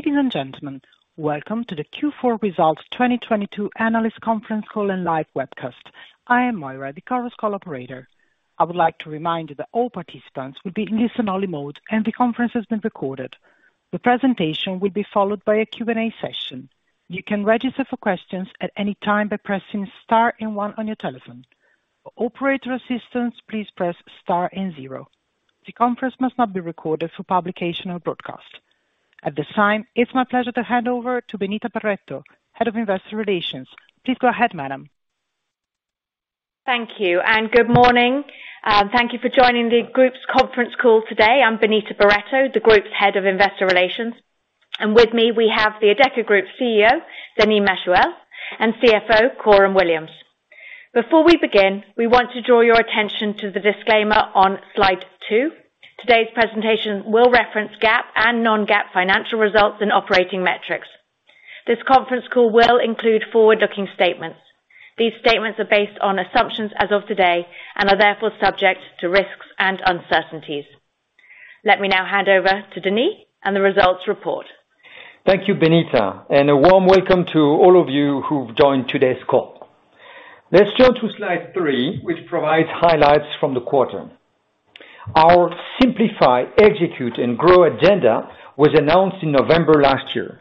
Ladies and gentlemen, welcome to the Q4 Results 2022 Analyst Conference Call and live webcast. I am Moira, the call's operator. I would like to remind you that all participants will be in listen only mode, and the conference has been recorded. The presentation will be followed by a Q&A session. You can register for questions at any time by pressing star one on your telephone. For operator assistance, please press star 0. The conference must not be recorded for publication or broadcast. At this time, it's my pleasure to hand over to Benita Barretto, Head of Investor Relations. Please go ahead, madam. Thank you, and good morning. Thank you for joining the group's conference call today. I'm Benita Barretto, the group's Head of Investor Relations, and with me, we have the Adecco Group CEO, Denis Machuel, and CFO, Coram Williams. Before we begin, we want to draw your attention to the disclaimer on slide two. Today's presentation will reference GAAP and non-GAAP financial results and operating metrics. This conference call will include forward-looking statements. These statements are based on assumptions as of today and are therefore subject to risks and uncertainties. Let me now hand over to Denis and the results report. Thank you, Benita, and a warm welcome to all of you who've joined today's call. Let's turn to slide three, which provides highlights from the quarter. Our Simplify, Execute and Grow agenda was announced in November last year.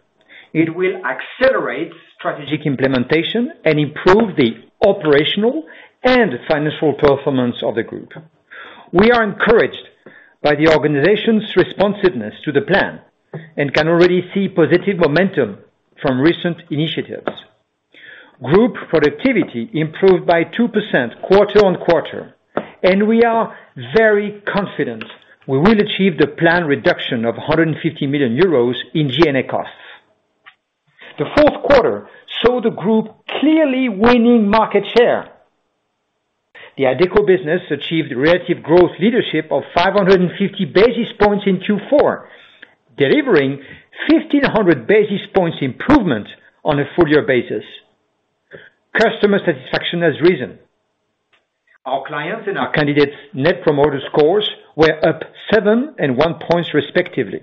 It will accelerate strategic implementation and improve the operational and financial performance of the group. We are encouraged by the organization's responsiveness to the plan and can already see positive momentum from recent initiatives. Group productivity improved by 2% quarter-on-quarter, and we are very confident we will achieve the planned reduction of 150 million euros in G&A costs. The Q4 saw the group clearly winning market share. The Adecco business achieved relative growth leadership of 550 basis points in Q4, delivering 1,500 basis points improvement on a full-year basis. Customer satisfaction has risen. Our clients and our candidates Net Promoter Scores were up seven and one points respectively.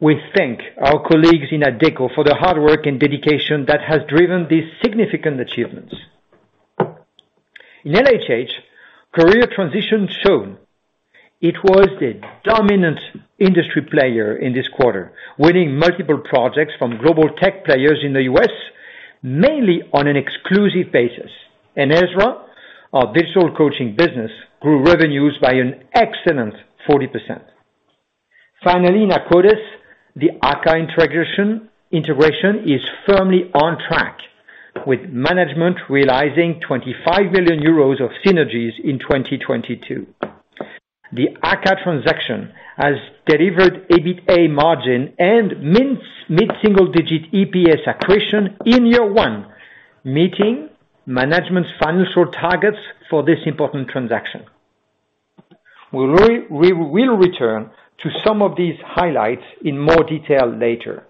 We thank our colleagues in Adecco for their hard work and dedication that has driven these significant achievements. In LHH, Career Transition shown it was the dominant industry player in this quarter, winning multiple projects from global tech players in the U.S., mainly on an exclusive basis. EZRA, our digital coaching business, grew revenues by an excellent 40%. Finally, in Akkodis, the Akka integration is firmly on track, with management realizing 25 million euros of synergies in 2022. The Akka transaction has delivered EBITA margin and mid-single digit EPS accretion in year one, meeting management's financial targets for this important transaction. We will return to some of these highlights in more detail later.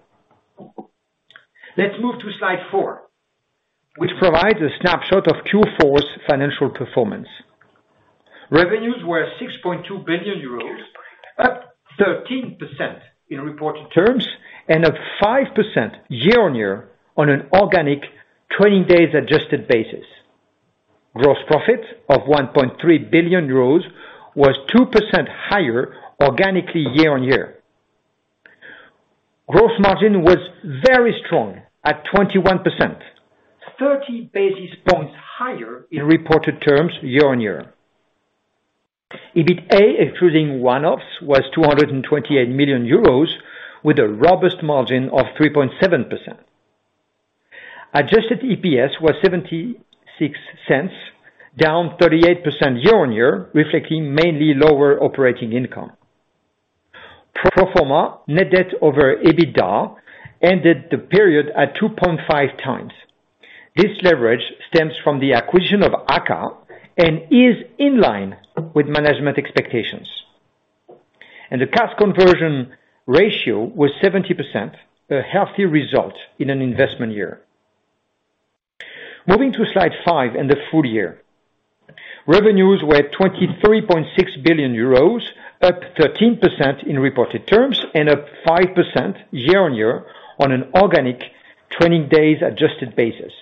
Let's move to slide four, which provides a snapshot of Q4's financial performance. Revenues were 6.2 billion euros, up 13% in reported terms and up 5% year-on-year on an organic 20 days adjusted basis. Gross profit of 1.3 billion euros was 2% higher organically year-on-year. Gross margin was very strong at 21%, 30 basis points higher in reported terms year-on-year. EBITA, excluding one-offs, was EUR 228 million with a robust margin of 3.7%. Adjusted EPS was 0.76, down 38% year-on-year, reflecting mainly lower operating income. Pro forma net debt over EBITDA ended the period at 2.5 times. This leverage stems from the acquisition of Akka and is in line with management expectations. The cash conversion ratio was 70%, a healthy result in an investment year. Moving to slide five and the full year. Revenues were 23.6 billion euros, up 13% in reported terms and up 5% year-on-year on an organic 20 days adjusted basis.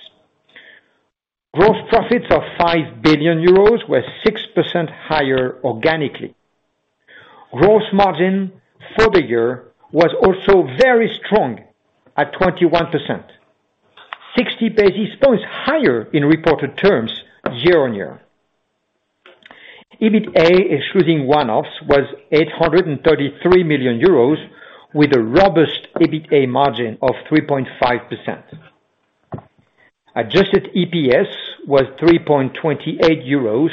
Gross profits of 5 billion euros were 6% higher organically. Gross margin for the year was also very strong at 21%, 60 basis points higher in reported terms year-on-year. EBITA, excluding one-offs, was 833 million euros with a robust EBITA margin of 3.5%. Adjusted EPS was 3.28 euros,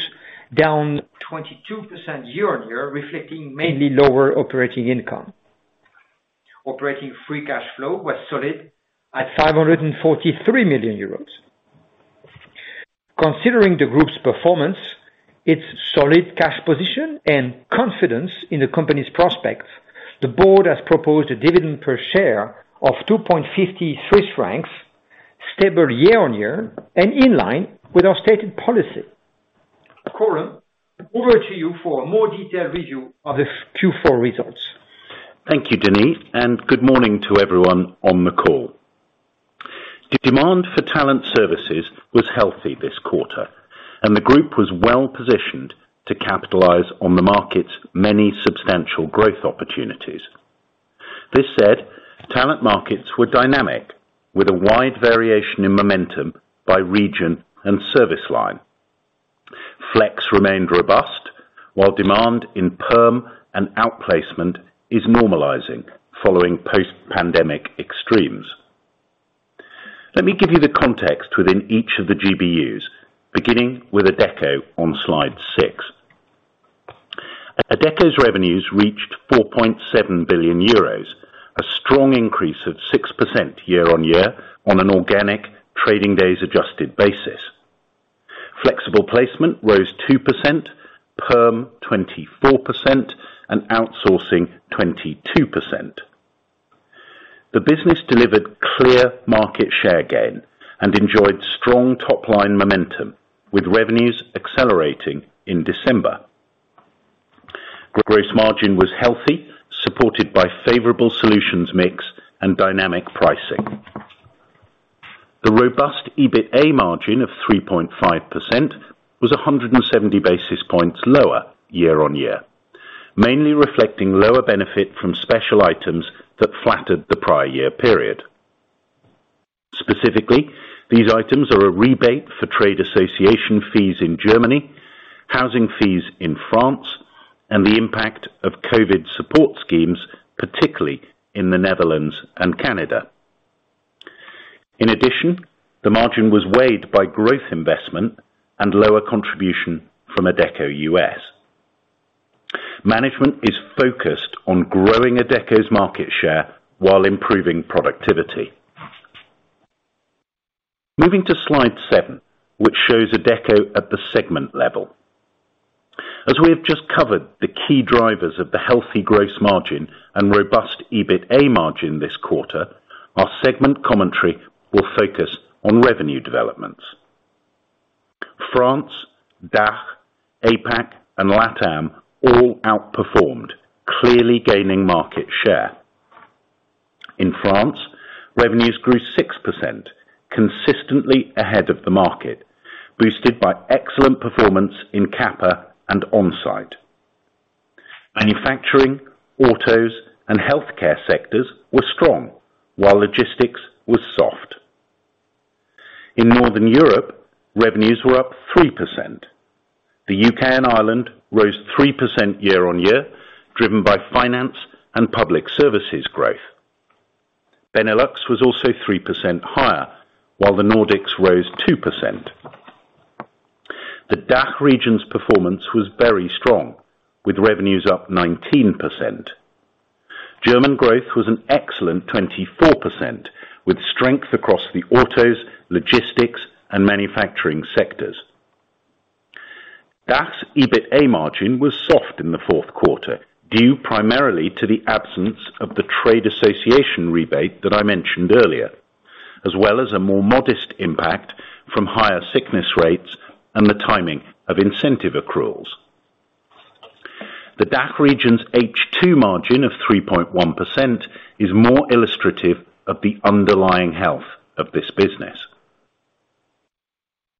down 22% year-on-year, reflecting mainly lower operating income. Operating free cash flow was solid at 543 million euros. Considering the group's performance, its solid cash position, and confidence in the company's prospects, the board has proposed a dividend per share of 2.50 Swiss francs, stable year-on-year and in line with our stated policy. Coram, over to you for a more detailed review of the Q4 results. Thank you, Denis, and good morning to everyone on the call. The demand for talent services was healthy this quarter, and the group was well-positioned to capitalize on the market's many substantial growth opportunities. This said, talent markets were dynamic, with a wide variation in momentum by region and service line. Flex remained robust, while demand in perm and outplacement is normalizing following post-pandemic extremes. Let me give you the context within each of the GBUs, beginning with Adecco on slide 6. Adecco's revenues reached 4.7 billion euros, a strong increase of 6% year-on-year on an organic trading days adjusted basis. Flexible placement rose 2%, perm 24%, and outsourcing 22%. The business delivered clear market share gain and enjoyed strong top-line momentum with revenues accelerating in December. Gross margin was healthy, supported by favorable solutions mix and dynamic pricing. The robust EBITA margin of 3.5% was 170 basis points lower year-on-year, mainly reflecting lower benefit from special items that flattered the prior year period. Specifically, these items are a rebate for trade association fees in Germany, housing fees in France, and the impact of COVID support schemes, particularly in the Netherlands and Canada. In addition, the margin was weighed by growth investment and lower contribution from Adecco US. Management is focused on growing Adecco's market share while improving productivity. Moving to slide seven, which shows Adecco at the segment level. As we have just covered the key drivers of the healthy gross margin and robust EBITA margin this quarter, our segment commentary will focus on revenue developments. France, DACH, APAC, and LATAM all outperformed, clearly gaining market share. In France, revenues grew 6%, consistently ahead of the market, boosted by excellent performance in QAPA and onsite. Manufacturing, autos, and healthcare sectors were strong, while logistics was soft. In Northern Europe, revenues were up 3%. The UK and Ireland rose 3% year-on-year, driven by finance and public services growth. Benelux was also 3% higher, while the Nordics rose 2%. The DACH region's performance was very strong, with revenues up 19%. German growth was an excellent 24%, with strength across the autos, logistics, and manufacturing sectors. DACH's EBITA margin was soft in the Q4, due primarily to the absence of the trade association rebate that I mentioned earlier, as well as a more modest impact from higher sickness rates and the timing of incentive accruals. The DACH region's H2 margin of 3.1% is more illustrative of the underlying health of this business.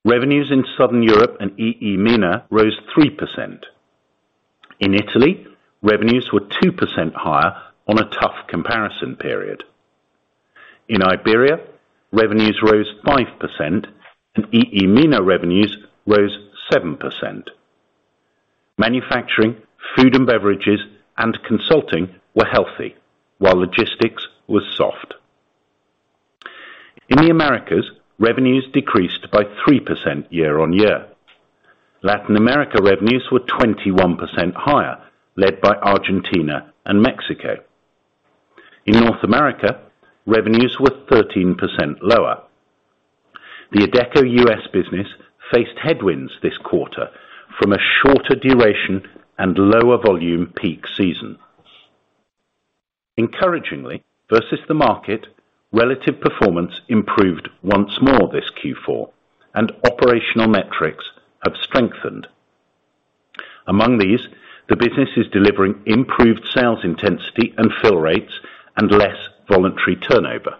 Revenues in Southern Europe and EEMENA rose 3%. In Italy, revenues were 2% higher on a tough comparison period. In Iberia, revenues rose 5% and EEMENA revenues rose 7%. Manufacturing, food and beverages, and consulting were healthy, while logistics was soft. In the Americas, revenues decreased by 3% year-on-year. Latin America revenues were 21% higher, led by Argentina and Mexico. In North America, revenues were 13% lower. The Adecco US business faced headwinds this quarter from a shorter duration and lower volume peak season. Encouragingly versus the market, relative performance improved once more this Q4, and operational metrics have strengthened. Among these, the business is delivering improved sales intensity and fill rates and less voluntary turnover.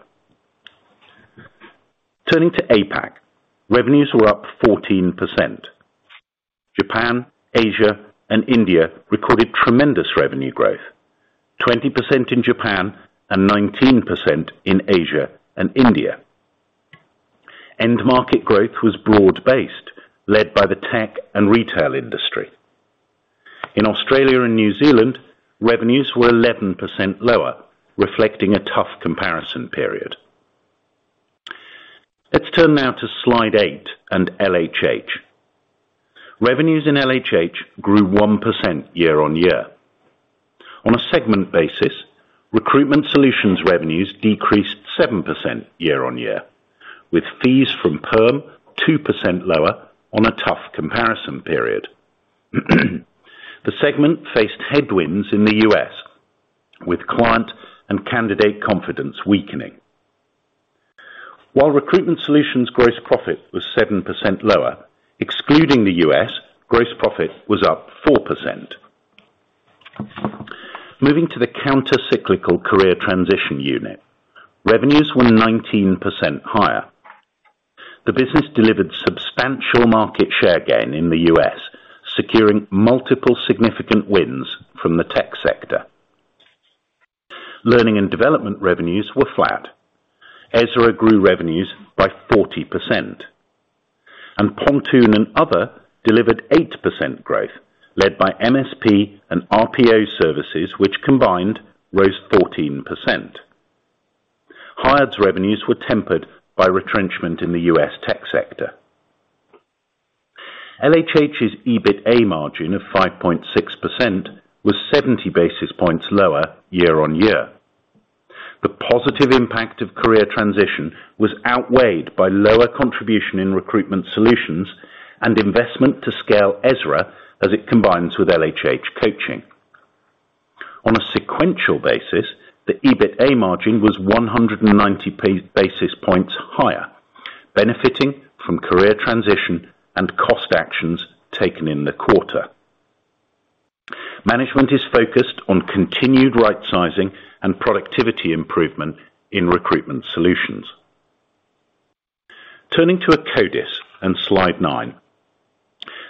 Turning to APAC, revenues were up 14%. Japan, Asia and India recorded tremendous revenue growth, 20% in Japan and 19% in Asia and India. End market growth was broad-based, led by the tech and retail industry. In Australia and New Zealand, revenues were 11% lower, reflecting a tough comparison period. Let's turn now to slide 8 and LHH. Revenues in LHH grew 1% year-on-year. On a segment basis, Recruitment Solutions revenues decreased 7% year-on-year, with fees from perm 2% lower on a tough comparison period. The segment faced headwinds in the US with client and candidate confidence weakening. While Recruitment Solutions gross profit was 7% lower, excluding the US, gross profit was up 4%. Moving to the counter-cyclical career transition unit, revenues were 19% higher. The business delivered substantial market share gain in the US, securing multiple significant wins from the tech sector. Learning and development revenues were flat. EZRA grew revenues by 40%, and Pontoon and other delivered 8% growth, led by MSP and RPO services, which combined rose 14%. Hired's revenues were tempered by retrenchment in the US tech sector. LHH's EBITA margin of 5.6% was 70 basis points lower year-on-year. The positive impact of career transition was outweighed by lower contribution in recruitment solutions and investment to scale EZRA as it combines with LHH coaching. On a sequential basis, the EBITA margin was 190 basis points higher, benefiting from career transition and cost actions taken in the quarter. Management is focused on continued right sizing and productivity improvement in recruitment solutions. Turning to Akkodis on slide nine.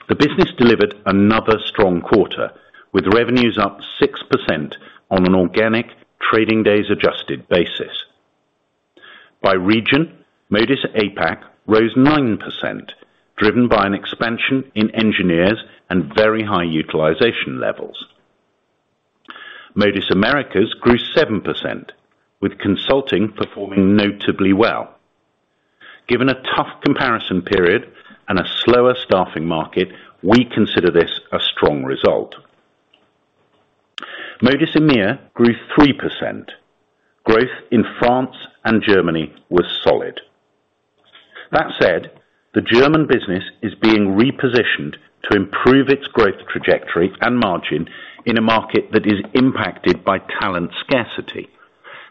The business delivered another strong quarter, with revenues up 6% on an organic trading days adjusted basis. By region, Modis APAC rose 9%, driven by an expansion in engineers and very high utilization levels. Modis Americas grew 7%, with consulting performing notably well. Given a tough comparison period and a slower staffing market, we consider this a strong result. Modis EMEA grew 3%. Growth in France and Germany was solid. That said, the German business is being repositioned to improve its growth trajectory and margin in a market that is impacted by talent scarcity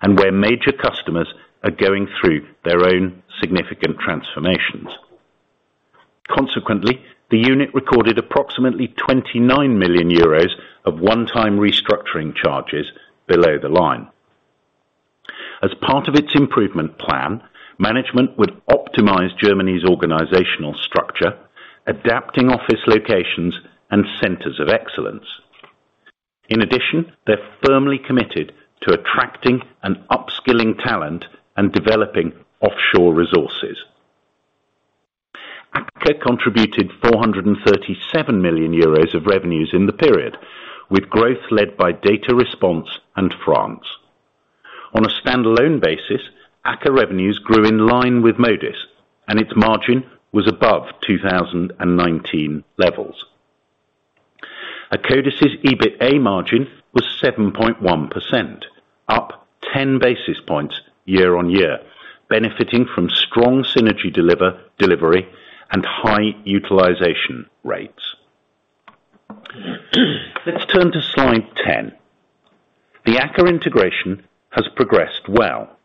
and where major customers are going through their own significant transformations. Consequently, the unit recorded approximately 29 million euros of one-time restructuring charges below the line. As part of its improvement plan, management would optimize Germany's organizational structure, adapting office locations and centers of excellence. In addition, they're firmly committed to attracting and upskilling talent and developing offshore resources. Akka contributed 437 million euros of revenues in the period, with growth led by Data Respons and France. On a standalone basis, Akka revenues grew in line with Modis, and its margin was above 2019 levels. Akkodis' EBITA margin was 7.1%, up 10 basis points year-on-year, benefiting from strong synergy delivery and high utilization rates. Let's turn to slide 10. The Akka integration has progressed well.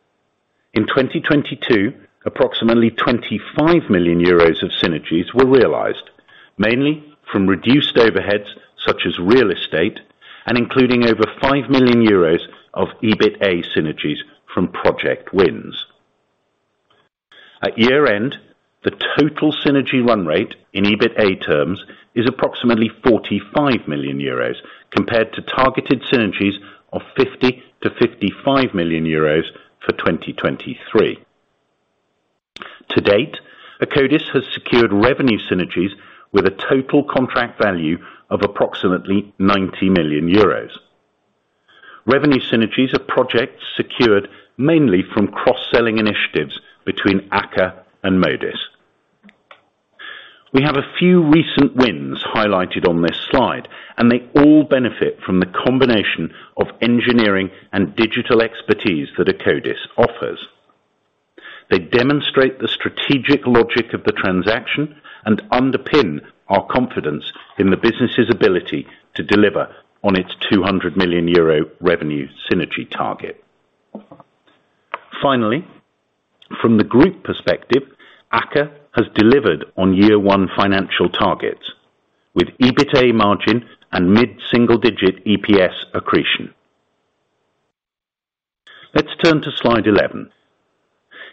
In 2022, approximately 25 million euros of synergies were realized, mainly from reduced overheads such as real estate and including over 5 million euros of EBITA synergies from project wins. At year-end, the total synergy run rate in EBITA terms is approximately 45 million euros compared to targeted synergies of 50 million-55 million euros for 2023. To date, Akkodis has secured revenue synergies with a total contract value of approximately 90 million euros. Revenue synergies are projects secured mainly from cross-selling initiatives between Akka and Modis. We have a few recent wins highlighted on this slide, and they all benefit from the combination of engineering and digital expertise that Akkodis offers. They demonstrate the strategic logic of the transaction and underpin our confidence in the business's ability to deliver on its 200 million euro revenue synergy target. From the group perspective, Akka has delivered on year one financial targets with EBITA margin and mid-single-digit EPS accretion. Let's turn to slide 11.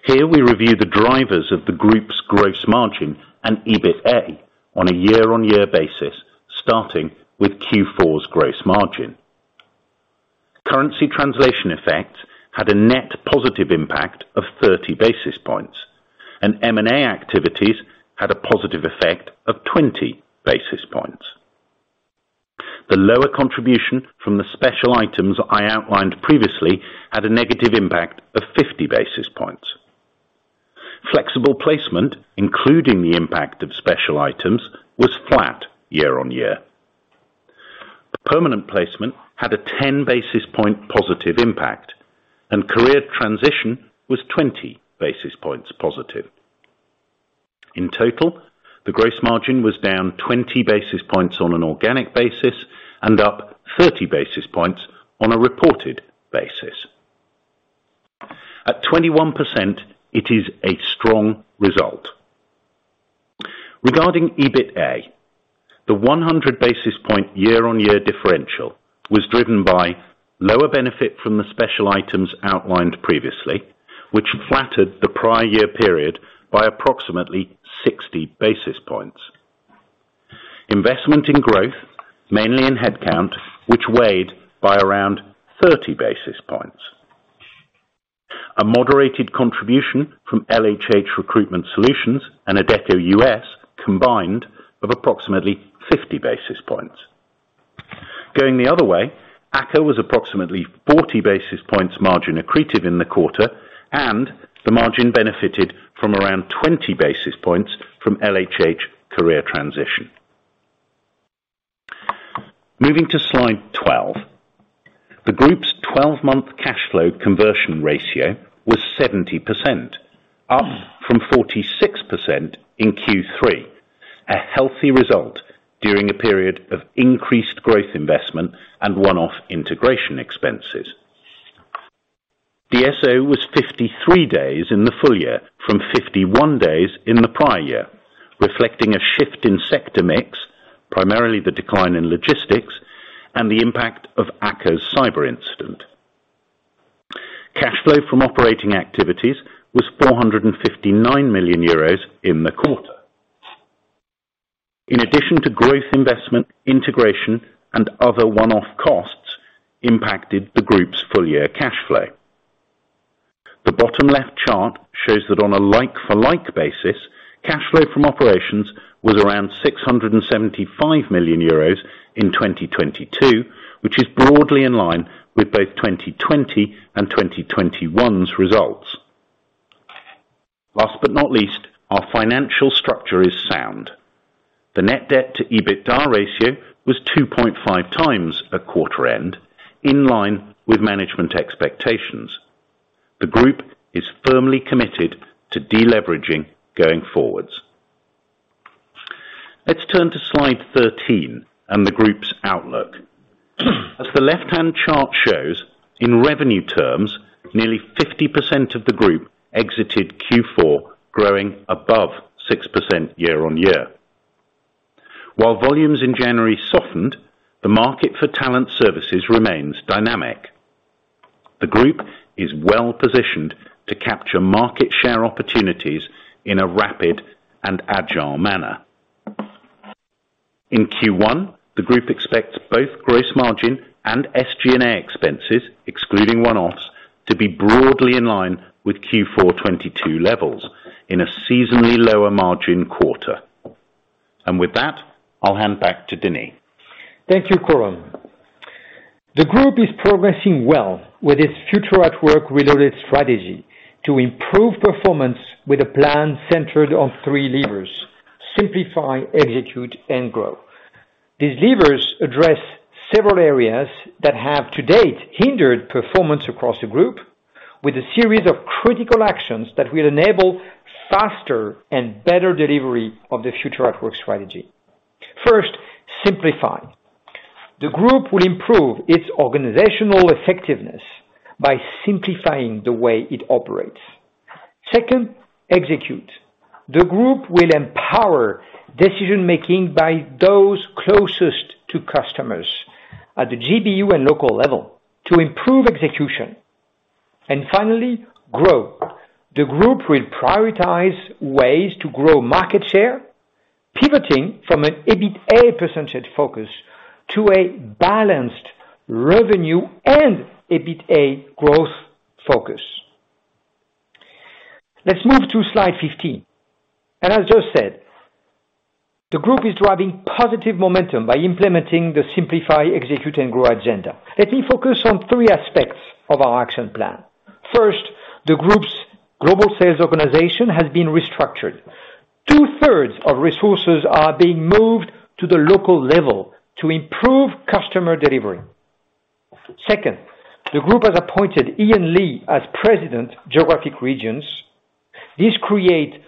Here we review the drivers of the group's gross margin and EBITA on a year-on-year basis, starting with Q4's gross margin. Currency translation effects had a net positive impact of 30 basis points, and M&A activities had a positive effect of 20 basis points. The lower contribution from the special items I outlined previously had a negative impact of 50 basis points. Flexible placement, including the impact of special items, was flat year-on-year. The permanent placement had a 10 basis point positive impact, and career transition was 20 basis points positive. In total, the gross margin was down 20 basis points on an organic basis and up 30 basis points on a reported basis. At 21% it is a strong result. Regarding EBITA, the 100 basis point year-on-year differential was driven by lower benefit from the special items outlined previously, which flattered the prior year period by approximately 60 basis points. Investment in growth, mainly in headcount, which weighed by around 30 basis points. A moderated contribution from LHH Recruitment Solutions and Adecco US combined of approximately 50 basis points. Going the other way, Akkodis was approximately 40 basis points margin accretive in the quarter and the margin benefited from around 20 basis points from LHH Career Transition. Moving to slide 12. The group's 12-month cash flow conversion ratio was 70%, up from 46% in Q3. A healthy result during a period of increased growth investment and one-off integration expenses. DSO was 53 days in the full year from 51 days in the prior year, reflecting a shift in sector mix, primarily the decline in logistics and the impact of Akkodis' cyber incident. Cash flow from operating activities was 459 million euros in the quarter. In addition to growth investment, integration and other one-off costs impacted the group's full year cash flow. The bottom left chart shows that on a like-for-like basis, cash flow from operations was around 675 million euros in 2022, which is broadly in line with both 2020 and 2021's results. Last but not least, our financial structure is sound. The net debt to EBITDA ratio was 2.5 times at quarter end, in line with management expectations. The group is firmly committed to deleveraging going forwards. Let's turn to slide 13 and the group's outlook. As the left-hand chart shows, in revenue terms, nearly 50% of the group exited Q4 growing above 6% year-on-year. While volumes in January softened, the market for talent services remains dynamic. The group is well-positioned to capture market share opportunities in a rapid and agile manner. In Q1, the group expects both gross margin and SG&A expenses, excluding one-offs, to be broadly in line with Q4 2022 levels in a seasonally lower margin quarter. With that, I'll hand back to Denis. Thank you, Coram. The group is progressing well with its Future at Work Reloaded strategy to improve performance with a plan centered on three levers: Simplify, Execute, and Grow. These levers address several areas that have to date hindered performance across the group with a series of critical actions that will enable faster and better delivery of the Future at Work strategy. First, Simplify. The group will improve its organizational effectiveness by simplifying the way it operates. Second, Execute. The group will empower decision-making by those closest to customers at the GBU and local level to improve execution. Finally, Grow. The group will prioritize ways to grow market share, pivoting from an EBITA % focus to a balanced revenue and EBITA growth focus. Let's move to slide 15. As Joe said, the group is driving positive momentum by implementing the Simplify, Execute, and Grow agenda. Let me focus on three aspects of our action plan. First, the group's global sales organization has been restructured. Two-thirds of resources are being moved to the local level to improve customer delivery. Second, the group has appointed Ian Lee as President, Geographic Regions. This newly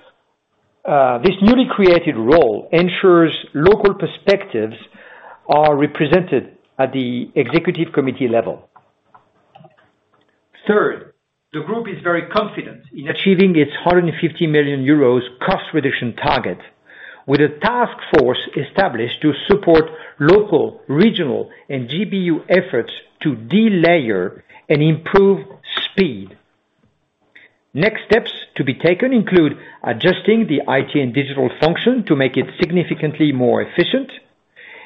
created role ensures local perspectives are represented at the Executive Committee level. Third, the group is very confident in achieving its 150 million euros cost reduction target with a task force established to support local, regional, and GBU efforts to delayer and improve speed. Next steps to be taken include adjusting the IT and digital function to make it significantly more efficient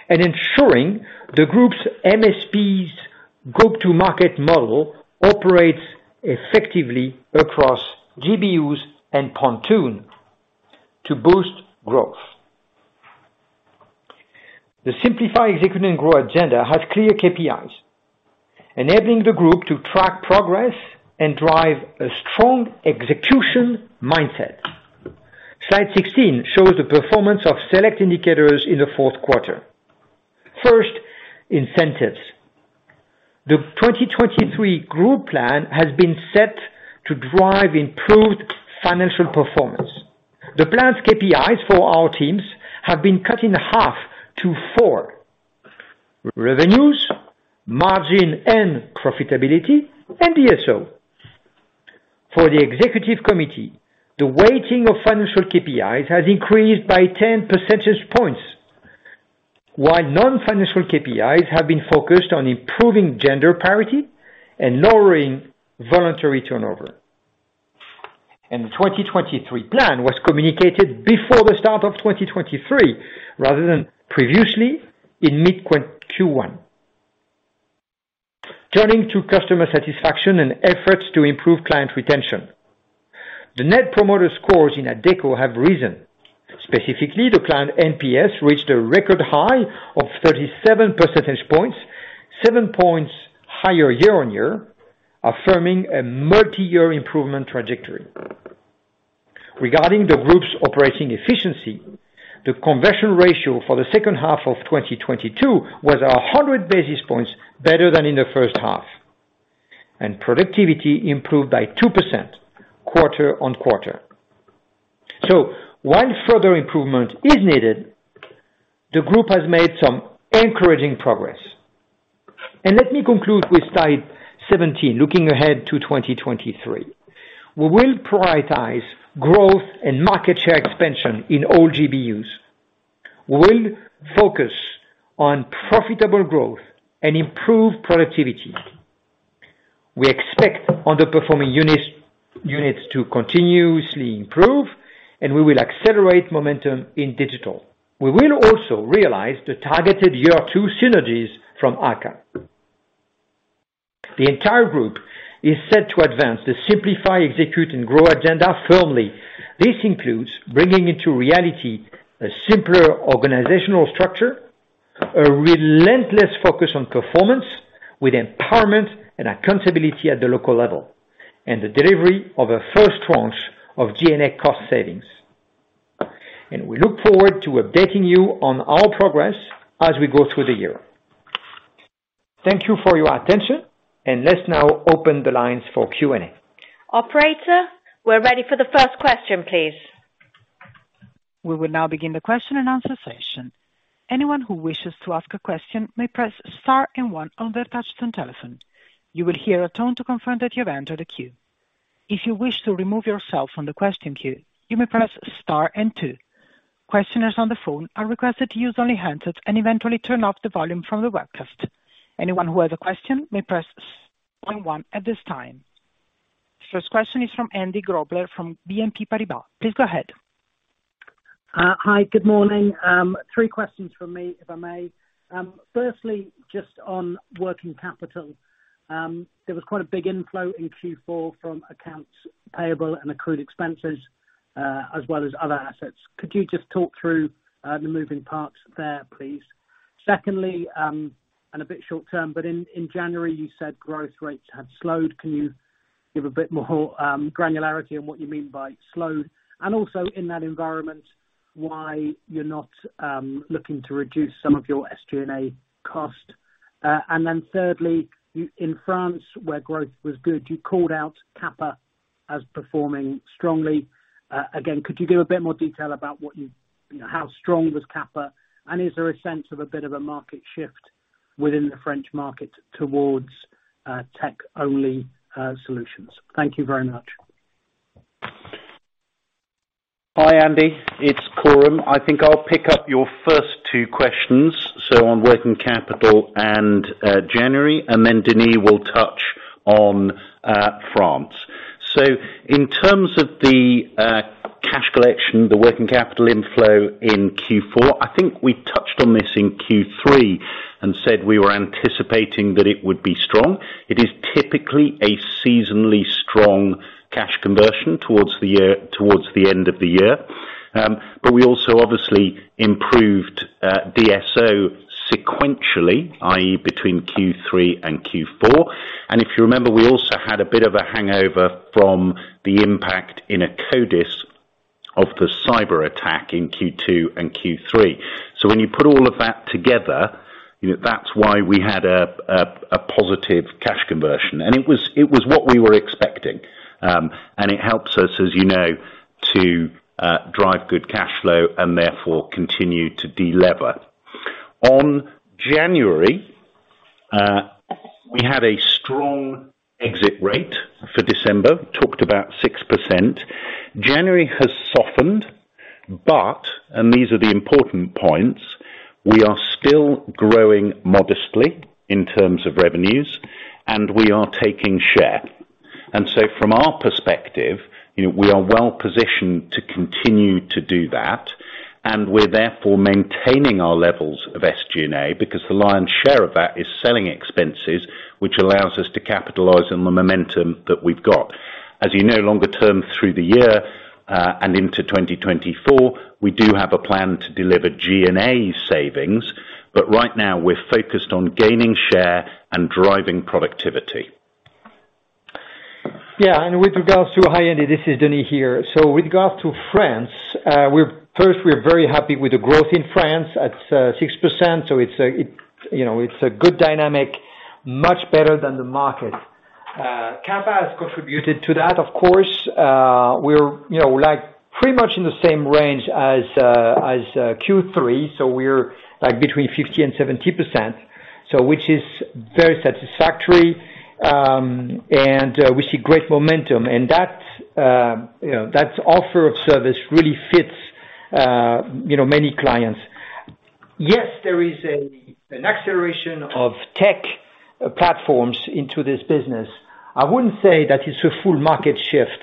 and ensuring the group's MSP's go-to-market model operates effectively across GBUs and Pontoon to boost growth. The Simplify, Execute, and Grow agenda has clear KPIs, enabling the group to track progress and drive a strong execution mindset. Slide 16 shows the performance of select indicators in the Q4. First, incentives. The 2023 group plan has been set to drive improved financial performance. The plan's KPIs for our teams have been cut in half to four. Revenues, margin, and profitability, and DSO. For the executive committee, the weighting of financial KPIs has increased by 10 percentage points, while non-financial KPIs have been focused on improving gender parity and lowering voluntary turnover. The 2023 plan was communicated before the start of 2023, rather than previously in mid Q1. Turning to customer satisfaction and efforts to improve client retention. The Net Promoter Scores in Adecco have risen. Specifically, the client NPS reached a record high of 37 percentage points, 7 points higher year-on-year, affirming a multi-year improvement trajectory. Regarding the group's operating efficiency, the conversion ratio for the H2 of 2022 was 100 basis points better than in the H1, and productivity improved by 2% quarter-on-quarter. While further improvement is needed, the group has made some encouraging progress. Let me conclude with slide 17. Looking ahead to 2023. We will prioritize growth and market share expansion in all GBUs. We will focus on profitable growth and improve productivity. We expect underperforming units to continuously improve, and we will accelerate momentum in digital. We will also realize the targeted year two synergies from Akka. The entire group is set to advance the Simplify, Execute and Grow agenda firmly. This includes bringing into reality a simpler organizational structure, a relentless focus on performance with empowerment and accountability at the local level, and the delivery of a first tranche of G&A cost savings. We look forward to updating you on our progress as we go through the year. Thank you for your attention. Let's now open the lines for Q&A. Operator, we're ready for the first question, please. We will now begin the question and answer session. Anyone who wishes to ask a question may press star and one on their touch tone telephone. You will hear a tone to confirm that you have entered a queue. If you wish to remove yourself from the question queue, you may press star and two. Questioners on the phone are requested to use only handsets and eventually turn off the volume from the webcast. Anyone who has a question may press star and one at this time. First question is from Andy Grobler from BNP Paribas. Please go ahead. Hi, good morning. Three questions from me, if I may. Firstly, just on working capital. There was quite a big inflow in Q4 from accounts payable and accrued expenses, as well as other assets. Could you just talk through the moving parts there, please? Secondly, a bit short term, but in January, you said growth rates had slowed. Can you give a bit more granularity on what you mean by slowed? Also in that environment, why you're not looking to reduce some of your SG&A cost. Thirdly, in France, where growth was good, you called out QAPA as performing strongly. Again, could you give a bit more detail about how strong was QAPA? Is there a sense of a bit of a market shift within the French market towards tech-only solutions? Thank you very much. Hi, Andy. It's Coram. I think I'll pick up your first two questions, so on working capital and January, and then Denis will touch on France. In terms of the cash collection, the working capital inflow in Q4, I think we touched on this in Q3 and said we were anticipating that it would be strong. It is typically a seasonally strong cash conversion towards the end of the year. We also obviously improved DSO sequentially, i.e., between Q3 and Q4. If you remember, we also had a bit of a hangover from the impact in Akkodis of the cyber-attack in Q2 and Q3. When you put all of that together, you know, that's why we had a positive cash conversion. It was what we were expecting. It helps us, as you know, to drive good cash flow and therefore continue to deliver. On January, we had a strong exit rate for December, talked about 6%. January has softened, but, and these are the important points, we are still growing modestly in terms of revenues, and we are taking share. From our perspective, you know, we are well-positioned to continue to do that. We're therefore maintaining our levels of SG&A because the lion's share of that is selling expenses, which allows us to capitalize on the momentum that we've got. As you know, longer term through the year, and into 2024, we do have a plan to deliver G&A savings, but right now we're focused on gaining share and driving productivity. With regards to high end, this is Denis here. With regards to France, first, we're very happy with the growth in France at 6%, it's a, you know, it's a good dynamic, much better than the market. QAPA has contributed to that, of course. We're, you know, like, pretty much in the same range as Q3, so we're, like, between 50% and 70%. Which is very satisfactory, and we see great momentum. That, you know, that offer of service really fits, you know, many clients. Yes, there is an acceleration of tech platforms into this business. I wouldn't say that it's a full market shift.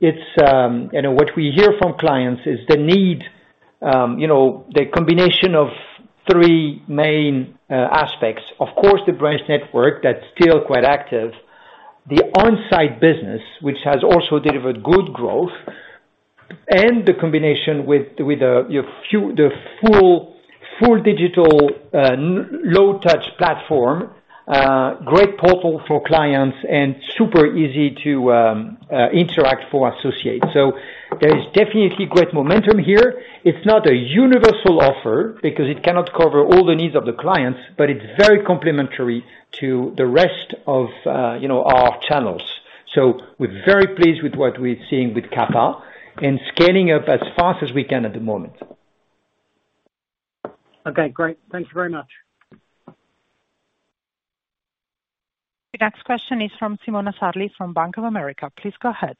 It's, you know, what we hear from clients is the need, you know, the combination of three main aspects. Of course, the branch network that's still quite active. The onsite business, which has also delivered good growth, and the combination with, you know, the full digital low touch platform, great portal for clients and super easy to interact for associates. There is definitely great momentum here. It's not a universal offer because it cannot cover all the needs of the clients, but it's very complementary to the rest of, you know, our channels. We're very pleased with what we're seeing with QAPA and scaling up as fast as we can at the moment. Okay, great. Thank you very much. The next question is from Simona Sarli from Bank of America. Please go ahead.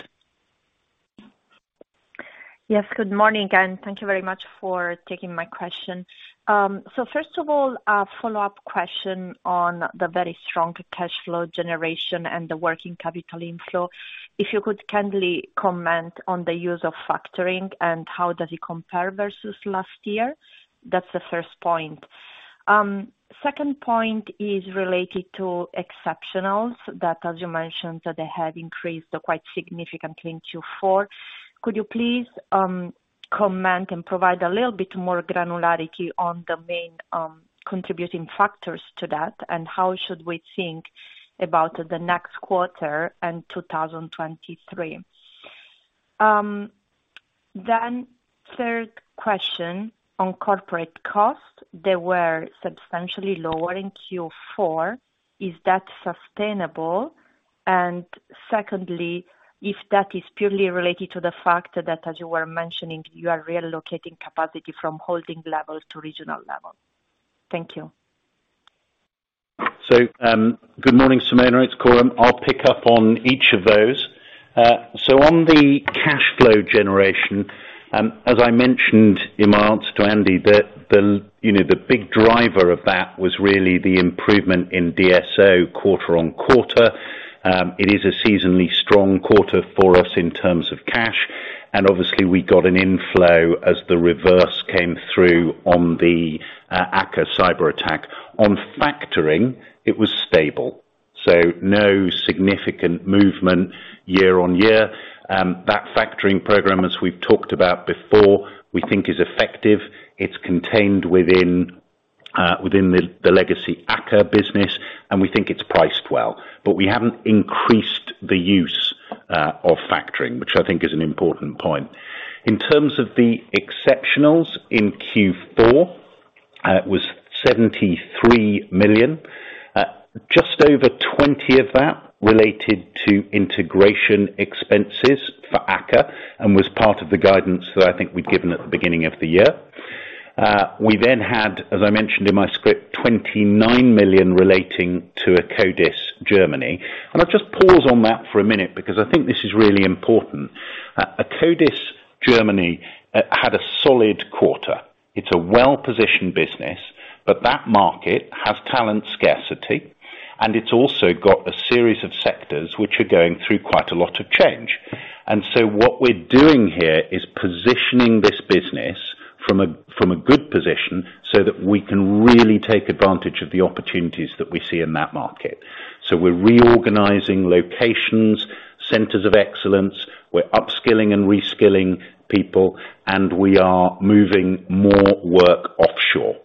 Yes, good morning, thank you very much for taking my question. First of all, a follow-up question on the very strong cash flow generation and the working capital inflow. If you could kindly comment on the use of factoring and how does it compare versus last year? That's the first point. Second point is related to exceptionals that, as you mentioned, that they have increased quite significantly in Q4. Could you please comment and provide a little bit more granularity on the main contributing factors to that, and how should we think about the next quarter and 2023? Third question on corporate costs, they were substantially lower in Q4. Is that sustainable? Secondly, if that is purely related to the fact that, as you were mentioning, you are relocating capacity from holding level to regional level. Thank you. Good morning, Simona, it's Coram. I'll pick up on each of those. On the cash flow generation, as I mentioned in my answer to Andy, you know, the big driver of that was really the improvement in DSO quarter-on-quarter. It is a seasonally strong quarter for us in terms of cash, and obviously we got an inflow as the reverse came through on the Akka cyber-attack. On factoring, it was stable, so no significant movement year-on-year. That factoring program, as we've talked about before, we think is effective. It's contained within the legacy Akka business, and we think it's priced well. We haven't increased the use of factoring, which I think is an important point. In terms of the exceptionals in Q4, it was 73 million. Just over 20 of that related to integration expenses for Akka and was part of the guidance that I think we'd given at the beginning of the year. We had, as I mentioned in my script, 29 million relating to Akkodis Germany. I'll just pause on that for a minute because I think this is really important. Akkodis Germany had a solid quarter. It's a well-positioned business, but that market has talent scarcity, and it's also got a series of sectors which are going through quite a lot of change. What we're doing here is positioning this business from a good position so that we can really take advantage of the opportunities that we see in that market. We're reorganizing locations, centers of excellence. We're upskilling and reskilling people, and we are moving more work offshore.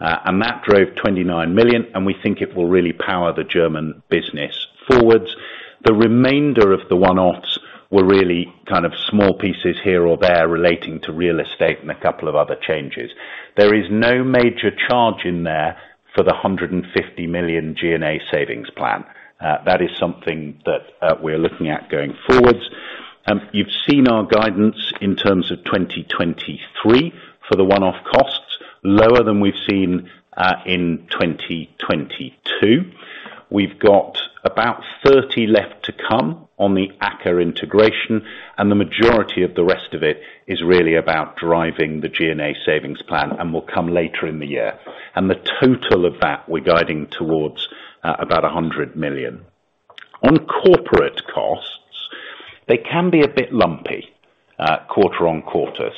That drove 29 million, and we think it will really power the German business forwards. The remainder of the one-offs were really kind of small pieces here or there relating to real estate and a couple of other changes. There is no major charge in there for the 150 million G&A savings plan. That is something that we're looking at going forwards. You've seen our guidance in terms of 2023 for the one-off costs, lower than we've seen in 2022. We've got about 30 million left to come on the Akka integration, the majority of the rest of it is really about driving the G&A savings plan and will come later in the year. The total of that, we're guiding towards about 100 million. On corporate costs, they can be a bit lumpy, quarter-on-quarter.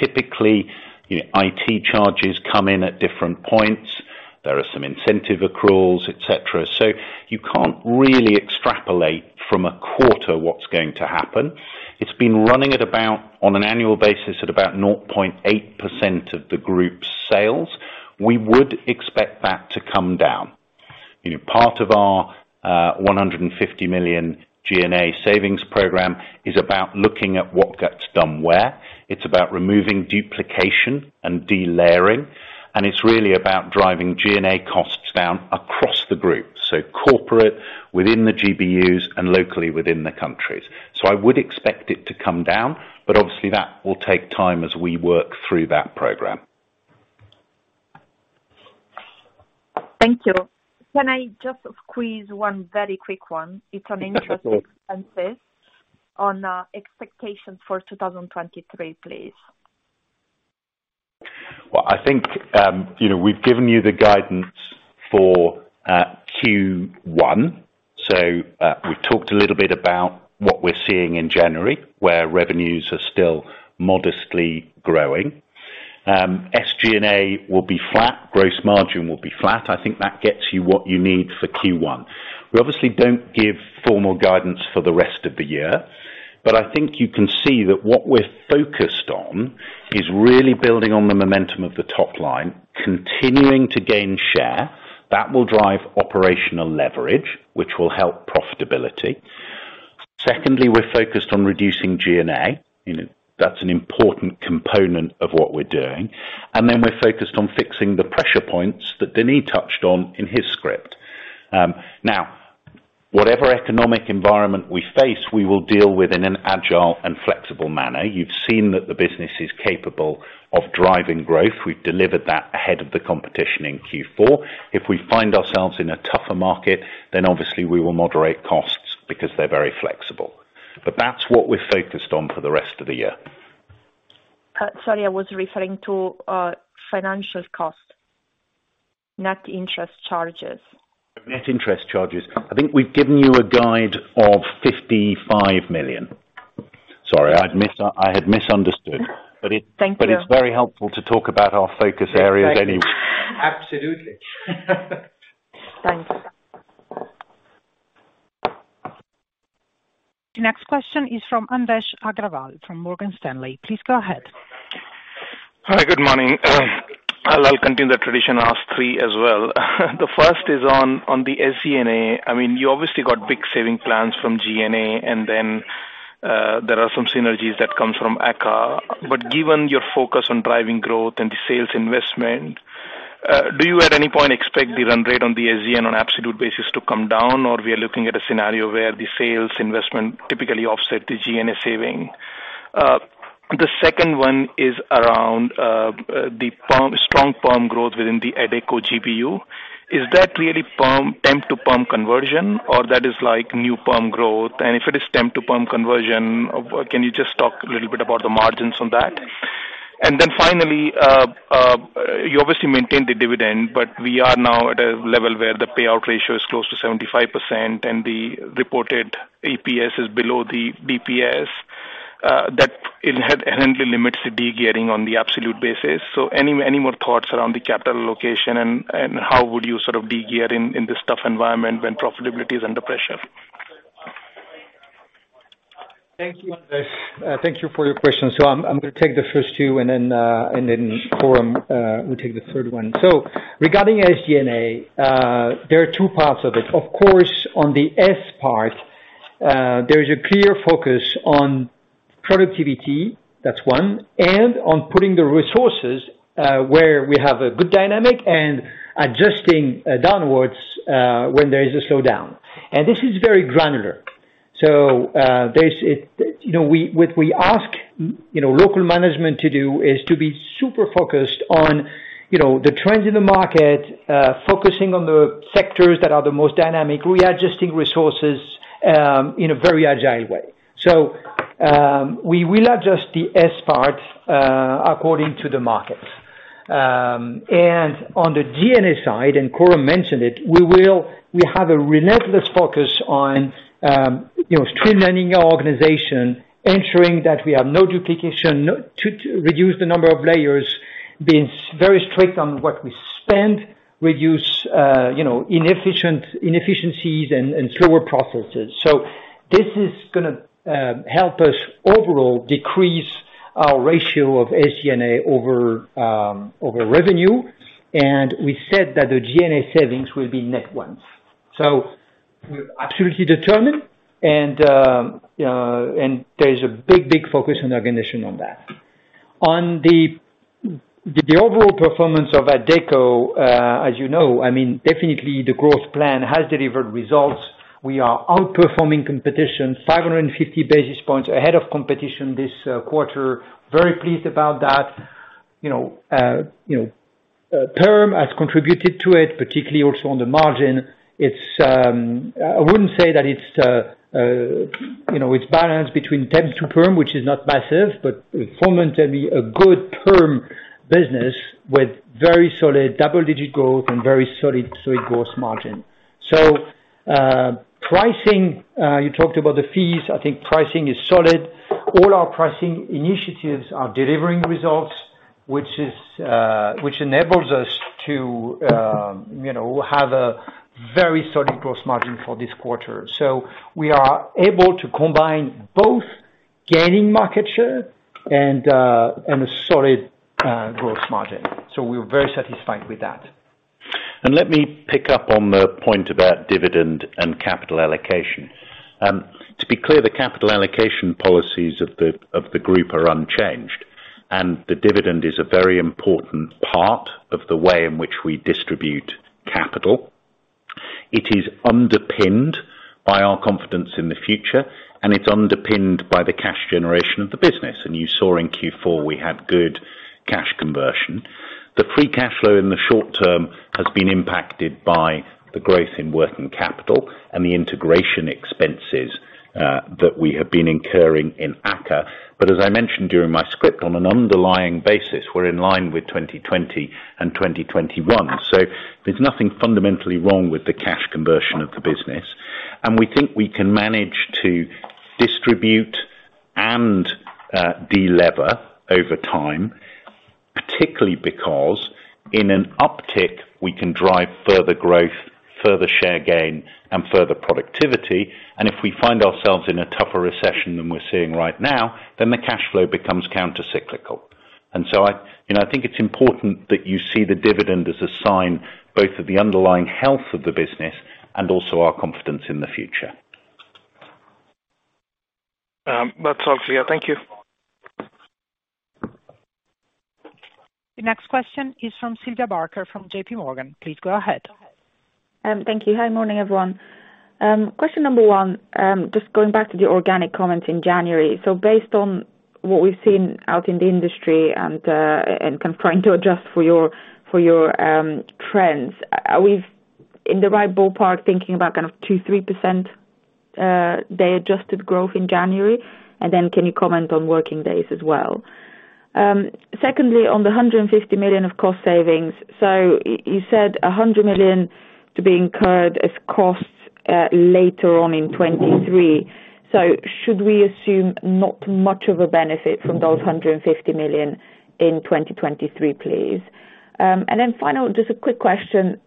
Typically, you know, IT charges come in at different points. There are some incentive accruals, et cetera. You can't really extrapolate from a quarter what's going to happen. It's been running at about, on an annual basis, at about 0.8% of the group's sales. We would expect that to come down. You know, part of our 150 million G&A savings program is about looking at what gets done where, it's about removing duplication and delayering, and it's really about driving G&A costs down across the group. Corporate, within the GBUs, and locally within the countries. I would expect it to come down, but obviously that will take time as we work through that program. Thank you. Can I just squeeze one very quick one? Yes, please. It's on interest expenses on expectations for 2023, please. I think, you know, we've given you the guidance for Q1, we talked a little bit about what we're seeing in January, where revenues are still modestly growing. SG&A will be flat, gross margin will be flat. I think that gets you what you need for Q1. We obviously don't give formal guidance for the rest of the year, I think you can see that what we're focused on is really building on the momentum of the top line, continuing to gain share. That will drive operational leverage, which will help profitability. Secondly, we're focused on reducing G&A. You know, that's an important component of what we're doing. We're focused on fixing the pressure points that Denis touched on in his script. Whatever economic environment we face, we will deal with in an agile and flexible manner. You've seen that the business is capable of driving growth. We've delivered that ahead of the competition in Q4. If we find ourselves in a tougher market, then obviously we will moderate costs because they're very flexible. That's what we're focused on for the rest of the year. Sorry, I was referring to, financial costs, net interest charges. Net interest charges. I think we've given you a guide of 55 million. Sorry, I'd misunderstood. Thank you. It's very helpful to talk about our focus areas anyway. Absolutely. Thanks. The next question is from Ankush Agarwal from Morgan Stanley. Please go ahead. Hi, good morning. I'll continue the tradition, ask three as well. The first is on the SG&A. I mean, you obviously got big saving plans from G&A, and then there are some synergies that comes from Akka. Given your focus on driving growth and the sales investment, do you at any point expect the run rate on the SG&A on an absolute basis to come down? Or we are looking at a scenario where the sales investment typically offset the G&A saving? The second one is around the strong perm growth within the Adecco GBU. Is that really temp to perm conversion or that is like new perm growth? If it is temp to perm conversion, can you just talk a little bit about the margins on that? Finally, you obviously maintained the dividend, but we are now at a level where the payout ratio is close to 75% and the reported APS is below the BPS, that it inherently limits the de-gearing on the absolute basis. Any more thoughts around the capital allocation and how would you sort of de-gear in this tough environment when profitability is under pressure? Thank you, Ankush. Thank you for your question. I'm gonna take the first two and then Coram will take the third one. Regarding SG&A, there are two parts of it. Of course, on the S part, there is a clear focus on productivity, that's one, and on putting the resources where we have a good dynamic and adjusting downwards when there is a slowdown. This is very granular. There's. You know, what we ask, you know, local management to do is to be super focused on, you know, the trends in the market, focusing on the sectors that are the most dynamic, readjusting resources in a very agile way. We will adjust the S part according to the markets. On the G&A side, and Coram mentioned it, we have a relentless focus on, you know, streamlining our organization, ensuring that we have no duplication, to reduce the number of layers, being very strict on what we spend, reduce, inefficiencies and slower processes. This is gonna help us overall decrease our ratio of SG&A over revenue, and we said that the G&A savings will be net ones. We're absolutely determined and there's a big focus on the organization on that. On the overall performance of Adecco, as you know, I mean, definitely the growth plan has delivered results. We are outperforming competition, 550 basis points ahead of competition this quarter. Very pleased about that. You know, you know, perm has contributed to it, particularly also on the margin. It's, I wouldn't say that it's, you know, it's balanced between temp to perm, which is not massive, but fundamentally a good perm business with very solid double-digit growth and very solid gross margin. Pricing, you talked about the fees, I think pricing is solid. All our pricing initiatives are delivering results, which is, which enables us to, you know, have a very solid gross margin for this quarter. We are able to combine both-Gaining market share and a solid growth margin. We're very satisfied with that. Let me pick up on the point about dividend and capital allocation. To be clear, the capital allocation policies of the group are unchanged, and the dividend is a very important part of the way in which we distribute capital. It is underpinned by our confidence in the future, and it's underpinned by the cash generation of the business. You saw in Q4 we had good cash conversion. The free cash flow in the short term has been impacted by the growth in working capital and the integration expenses that we have been incurring in Akka. As I mentioned during my script, on an underlying basis, we're in line with 2020 and 2021. There's nothing fundamentally wrong with the cash conversion of the business. We think we can manage to distribute and deliver over time, particularly because in an uptick, we can drive further growth, further share gain and further productivity. If we find ourselves in a tougher recession than we're seeing right now, then the cash flow becomes countercyclical. I, you know, I think it's important that you see the dividend as a sign both of the underlying health of the business and also our confidence in the future. That's all clear. Thank you. The next question is from Sylvia Barker from JP Morgan. Please go ahead. Thank you. Hi. Morning, everyone. Question number one, just going back to the organic comments in January. Based on what we've seen out in the industry and kind of trying to adjust for your, for your trends, are we in the right ballpark thinking about kind of 2-3% day adjusted growth in January? Can you comment on working days as well? Secondly, on the 150 million of cost savings. You said 100 million to be incurred as costs later on in 2023. Should we assume not much of a benefit from those 150 million in 2023, please? Final, just a quick question.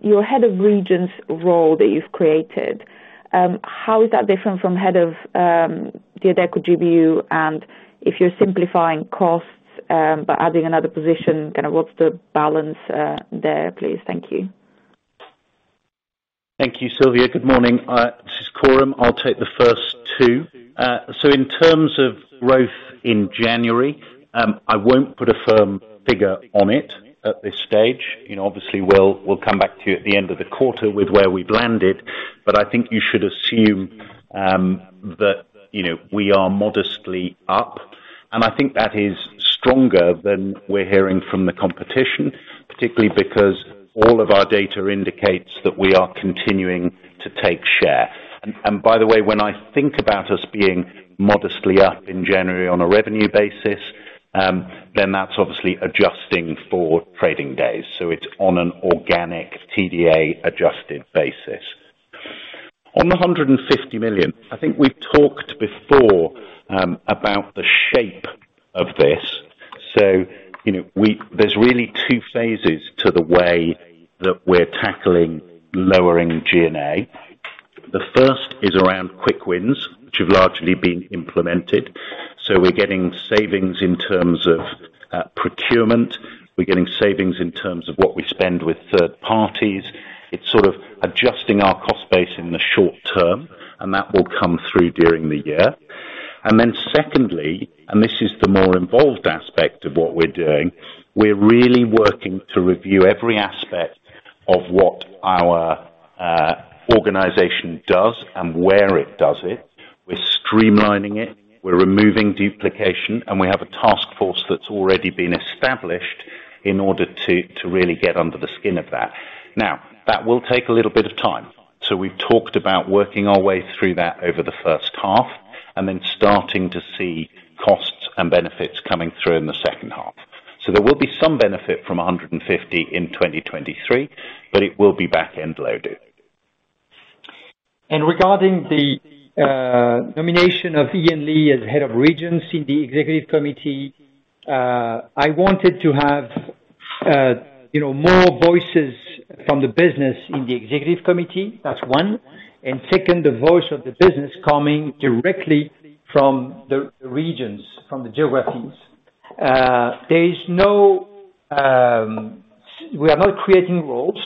Your head of regions role that you've created, how is that different from head of the Adecco GBU? If you're simplifying costs, by adding another position, kind of what's the balance there, please? Thank you. Thank you, Sylvia. Good morning. This is Coram. I'll take the first two. In terms of growth in January, I won't put a firm figure on it at this stage. You know, obviously we'll come back to you at the end of the quarter with where we've landed. I think you should assume that, you know, we are modestly up, and I think that is stronger than we're hearing from the competition, particularly because all of our data indicates that we are continuing to take share. By the way, when I think about us being modestly up in January on a revenue basis, that's obviously adjusting for trading days. It's on an organic TDA adjusted basis. On the 150 million, I think we've talked before about the shape of this. You know, there's really two phases to the way that we're tackling lowering G&A. The first is around quick wins, which have largely been implemented. We're getting savings in terms of procurement. We're getting savings in terms of what we spend with third parties. It's sort of adjusting our cost base in the short term and that will come through during the year. Secondly, and this is the more involved aspect of what we're doing, we're really working to review every aspect of what our organization does and where it does it. We're streamlining it. We're removing duplication. We have a task force that's already been established in order to really get under the skin of that. That will take a little bit of time. We've talked about working our way through that over the H1 and then starting to see costs and benefits coming through in the H2. There will be some benefit from 150 in 2023, but it will be back-end loaded. Regarding the nomination of Ian Lee as Head of Regions in the Executive Committee, I wanted to have, you know, more voices from the business in the Executive Committee. That's one. Second, the voice of the business coming directly from the regions, from the geographies. There is no, we are not creating roles.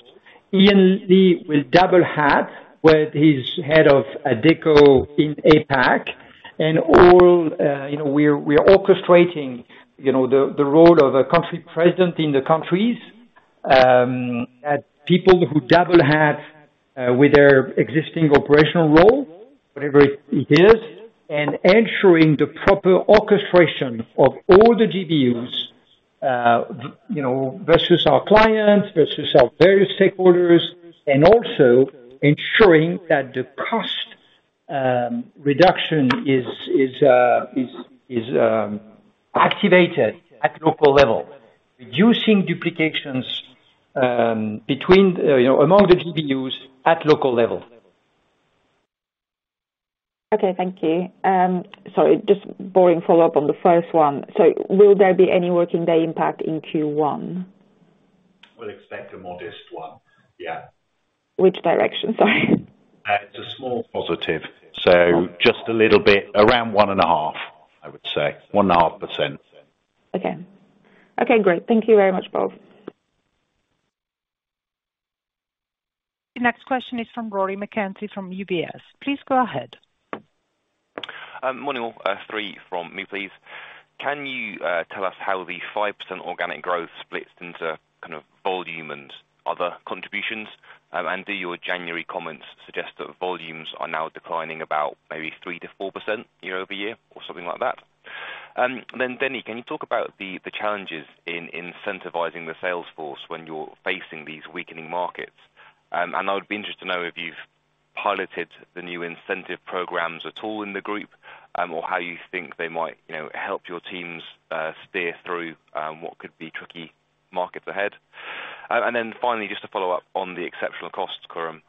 Ian Lee will double hat with his Head of Adecco in APAC and all, you know, we are orchestrating, you know, the role of a Country President in the countries, at people who double hat with their existing operational role, whatever it is, and ensuring the proper orchestration of all the GBUs, you know, versus our clients, versus our various stakeholders, and also ensuring that the cost reduction is activated at local level. Reducing duplications, between, you know, among the GBUs at local level. Okay. Thank you. Sorry, just boring follow-up on the first one. Will there be any working day impact in Q1? We'll expect a modest one. Yeah. Which direction? Sorry. It's a small positive. Just a little bit, around 1.5, I would say. 1.5%. Okay. Okay, great. Thank you very much, both. The next question is from Rory McKenzie from UBS. Please go ahead. Morning all. Three from me, please. Can you tell us how the 5% organic growth splits into kind of volume and other contributions? Do your January comments suggest that volumes are now declining about maybe 3%-4% year-over-year or something like that? Denis, can you talk about the challenges in incentivizing the sales force when you're facing these weakening markets? I would be interested to know if you've piloted the new incentive programs at all in the group, or how you think they might, you know, help your teams steer through what could be tricky markets ahead. Finally, just to follow up on the exceptional costs Coram,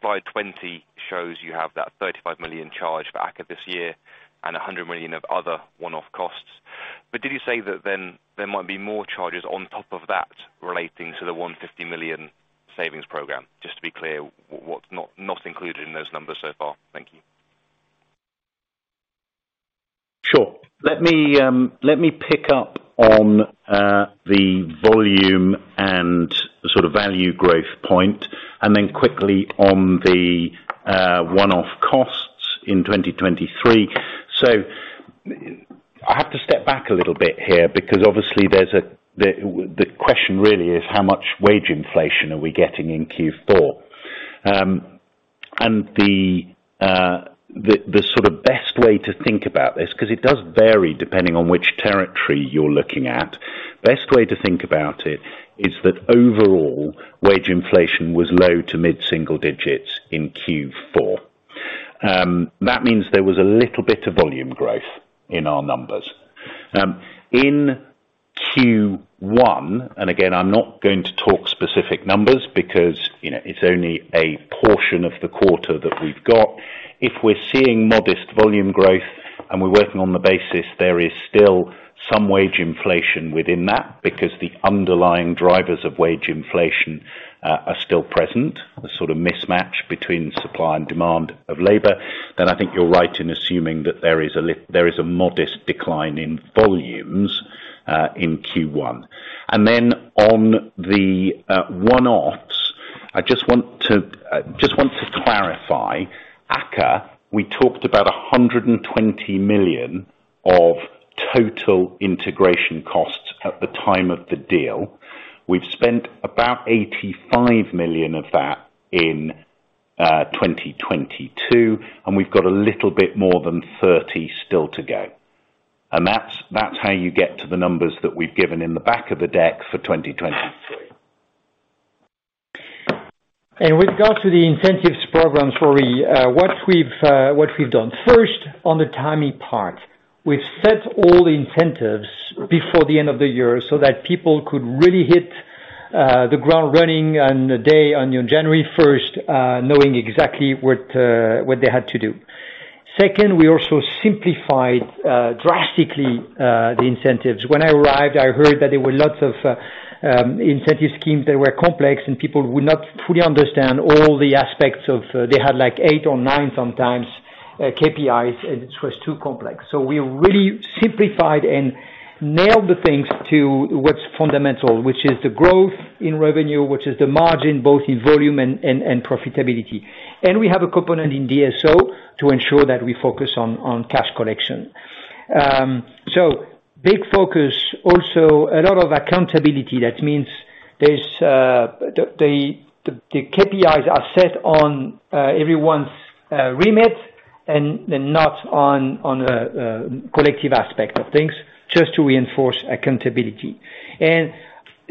slide 20 shows you have that 35 million charge back of this year and 100 million of other one-off costs. Did you say that then there might be more charges on top of that relating to the 150 million savings program? Just to be clear, what's not included in those numbers so far. Thank you. Sure. Let me pick up on the volume and the sort of value growth point, and then quickly on the one-off costs in 2023. I have to step back a little bit here because obviously the question really is how much wage inflation are we getting in Q4? The sort of best way to think about this, 'cause it does vary depending on which territory you're looking at. Best way to think about it is that overall, wage inflation was low to mid-single digits in Q4. That means there was a little bit of volume growth in our numbers. In Q1, and again, I'm not going to talk specific numbers because, you know, it's only a portion of the quarter that we've got. If we're seeing modest volume growth and we're working on the basis, there is still some wage inflation within that because the underlying drivers of wage inflation are still present. The sort of mismatch between supply and demand of labor. I think you're right in assuming that there is a modest decline in volumes in Q1. On the one-offs, I just want to clarify. Akka, we talked about 120 million of total integration costs at the time of the deal. We've spent about 85 million of that in 2022, and we've got a little bit more than 30 million still to go. That's how you get to the numbers that we've given in the back of the deck for 2023. In regards to the incentives program story, what we've done. First, on the timing part, we've set all the incentives before the end of the year so that people could really hit the ground running on the day on 1 January, knowing exactly what they had to do. Second, we also simplified drastically the incentives. When I arrived, I heard that there were lots of incentive schemes that were complex, and people would not fully understand all the aspects of... They had like eight or nine sometimes, KPIs, and it was too complex. We really simplified and nailed the things to what's fundamental, which is the growth in revenue, which is the margin, both in volume and profitability. We have a component in DSO to ensure that we focus on cash collection. Big focus, also a lot of accountability. That means there's the KPIs are set on everyone's remit and they're not on a collective aspect of things just to reinforce accountability.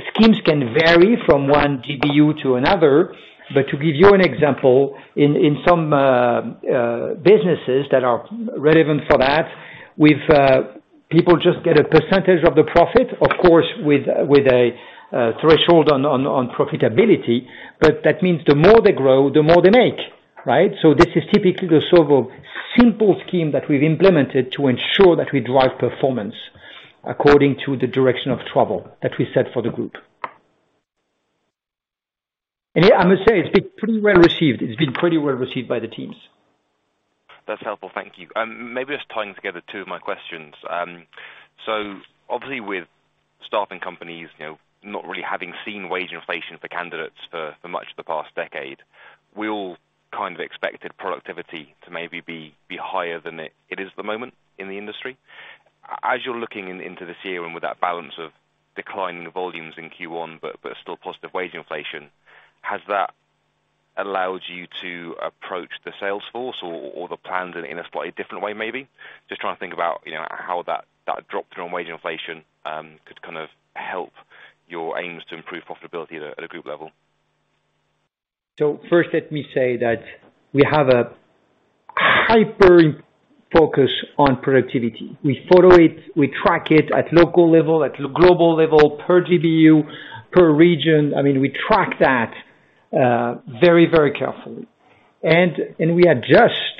Schemes can vary from one GBU to another. To give you an example, in some businesses that are relevant for that, with people just get a percentage of the profit, of course, with a threshold on profitability. That means the more they grow, the more they make, right? This is typically the sort of simple scheme that we've implemented to ensure that we drive performance according to the direction of travel that we set for the group. I must say, it's been pretty well received. It's been pretty well received by the teams. That's helpful. Thank you. Maybe just tying together two of my questions. Obviously with staffing companies, you know, not really having seen wage inflation for candidates for much of the past decade, we all kind of expected productivity to maybe be higher than it is at the moment in the industry. As you're looking into this year and with that balance of declining volumes in Q1 but still positive wage inflation, has that allowed you to approach the sales force or the plans in a slightly different way, maybe? Just trying to think about, you know, how that drop through on wage inflation could kind of help your aims to improve profitability at a group level. First, let me say that we have a hyper focus on productivity. We photo it, we track it at local level, at global level, per GBU, per region. I mean, we track that very, very carefully. We adjust,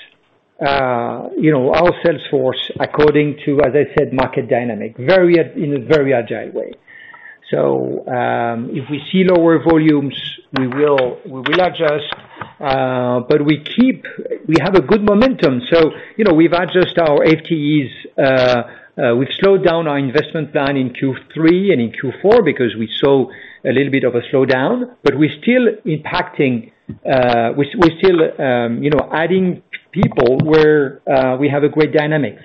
you know, our sales force, according to, as I said, market dynamic, very, in a very agile way. If we see lower volumes, we will adjust. We have a good momentum. You know, we've adjusted our FTEs, we've slowed down our investment plan in Q3 and in Q4 because we saw a little bit of a slowdown, but we're still impacting, we're still, you know, adding people where we have a great dynamics.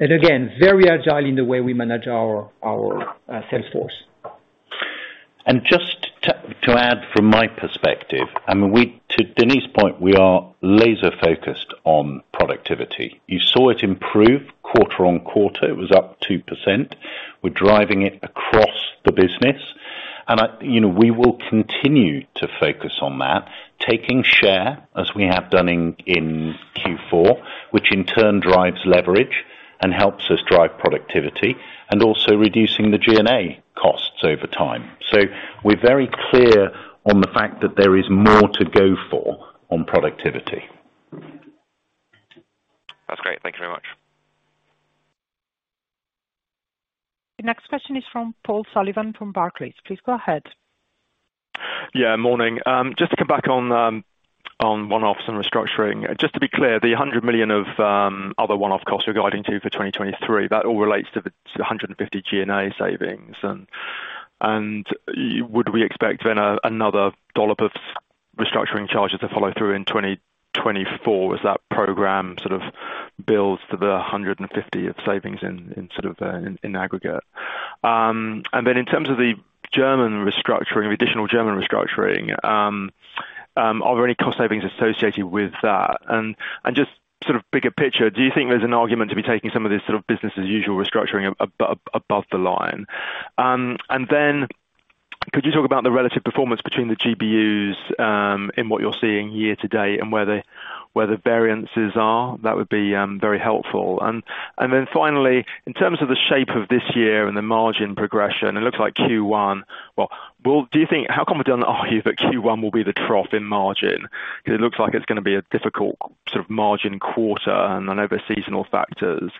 Again, very agile in the way we manage our sales force. Just to add from my perspective, I mean, to Denis' point, we are laser-focused on productivity. You saw it improve quarter-on-quarter. It was up 2%. We're driving it across the business. I, you know, we will continue to focus on that, taking share as we have done in Q4, which in turn drives leverage and helps us drive productivity, and also reducing the G&A costs over time. We're very clear on the fact that there is more to go for on productivity. That's great. Thank you very much. The next question is from Paul Sullivan from Barclays. Please go ahead. Yeah, morning. Just to come back on one-offs and restructuring. Just to be clear, the 100 million of other one-off costs you're guiding to for 2023, that all relates to the 250 million G&A savings. Would we expect then another dollop of restructuring charges to follow through in 2024 as that program sort of builds to the 150 million of savings in sort of, in aggregate? Then in terms of the German restructuring, the additional German restructuring, are there any cost savings associated with that? Just sort of bigger picture, do you think there's an argument to be taking some of this sort of business as usual restructuring above the line? Could you talk about the relative performance between the GBUs, in what you're seeing year to date and where the variances are? That would be very helpful. Finally, in terms of the shape of this year and the margin progression, it looks like Q1. How come we don't argue that Q1 will be the trough in margin? Because it looks like it's gonna be a difficult sort of margin quarter and an over seasonal factors.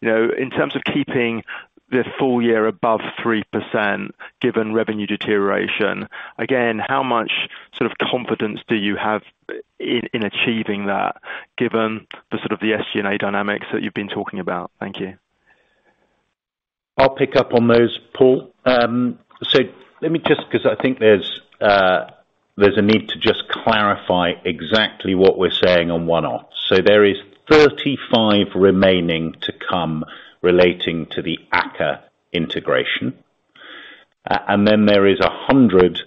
You know, in terms of keeping the full year above 3% given revenue deterioration, again, how much sort of confidence do you have in achieving that given the sort of the SG&A dynamics that you've been talking about? Thank you. I'll pick up on those, Paul. Let me just because I think there's a need to just clarify exactly what we're saying on one-off. There is 35 remaining to come relating to the Akka integration. Then there is 100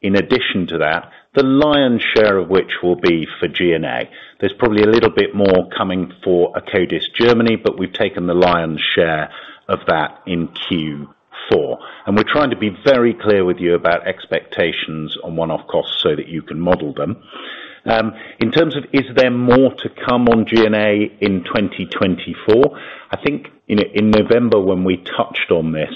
in addition to that, the lion's share of which will be for G&A. There's probably a little bit more coming for Akkodis Germany, but we've taken the lion's share of that in Q4. We're trying to be very clear with you about expectations on one-off costs so that you can model them. In terms of is there more to come on G&A in 2024, I think in November when we touched on this,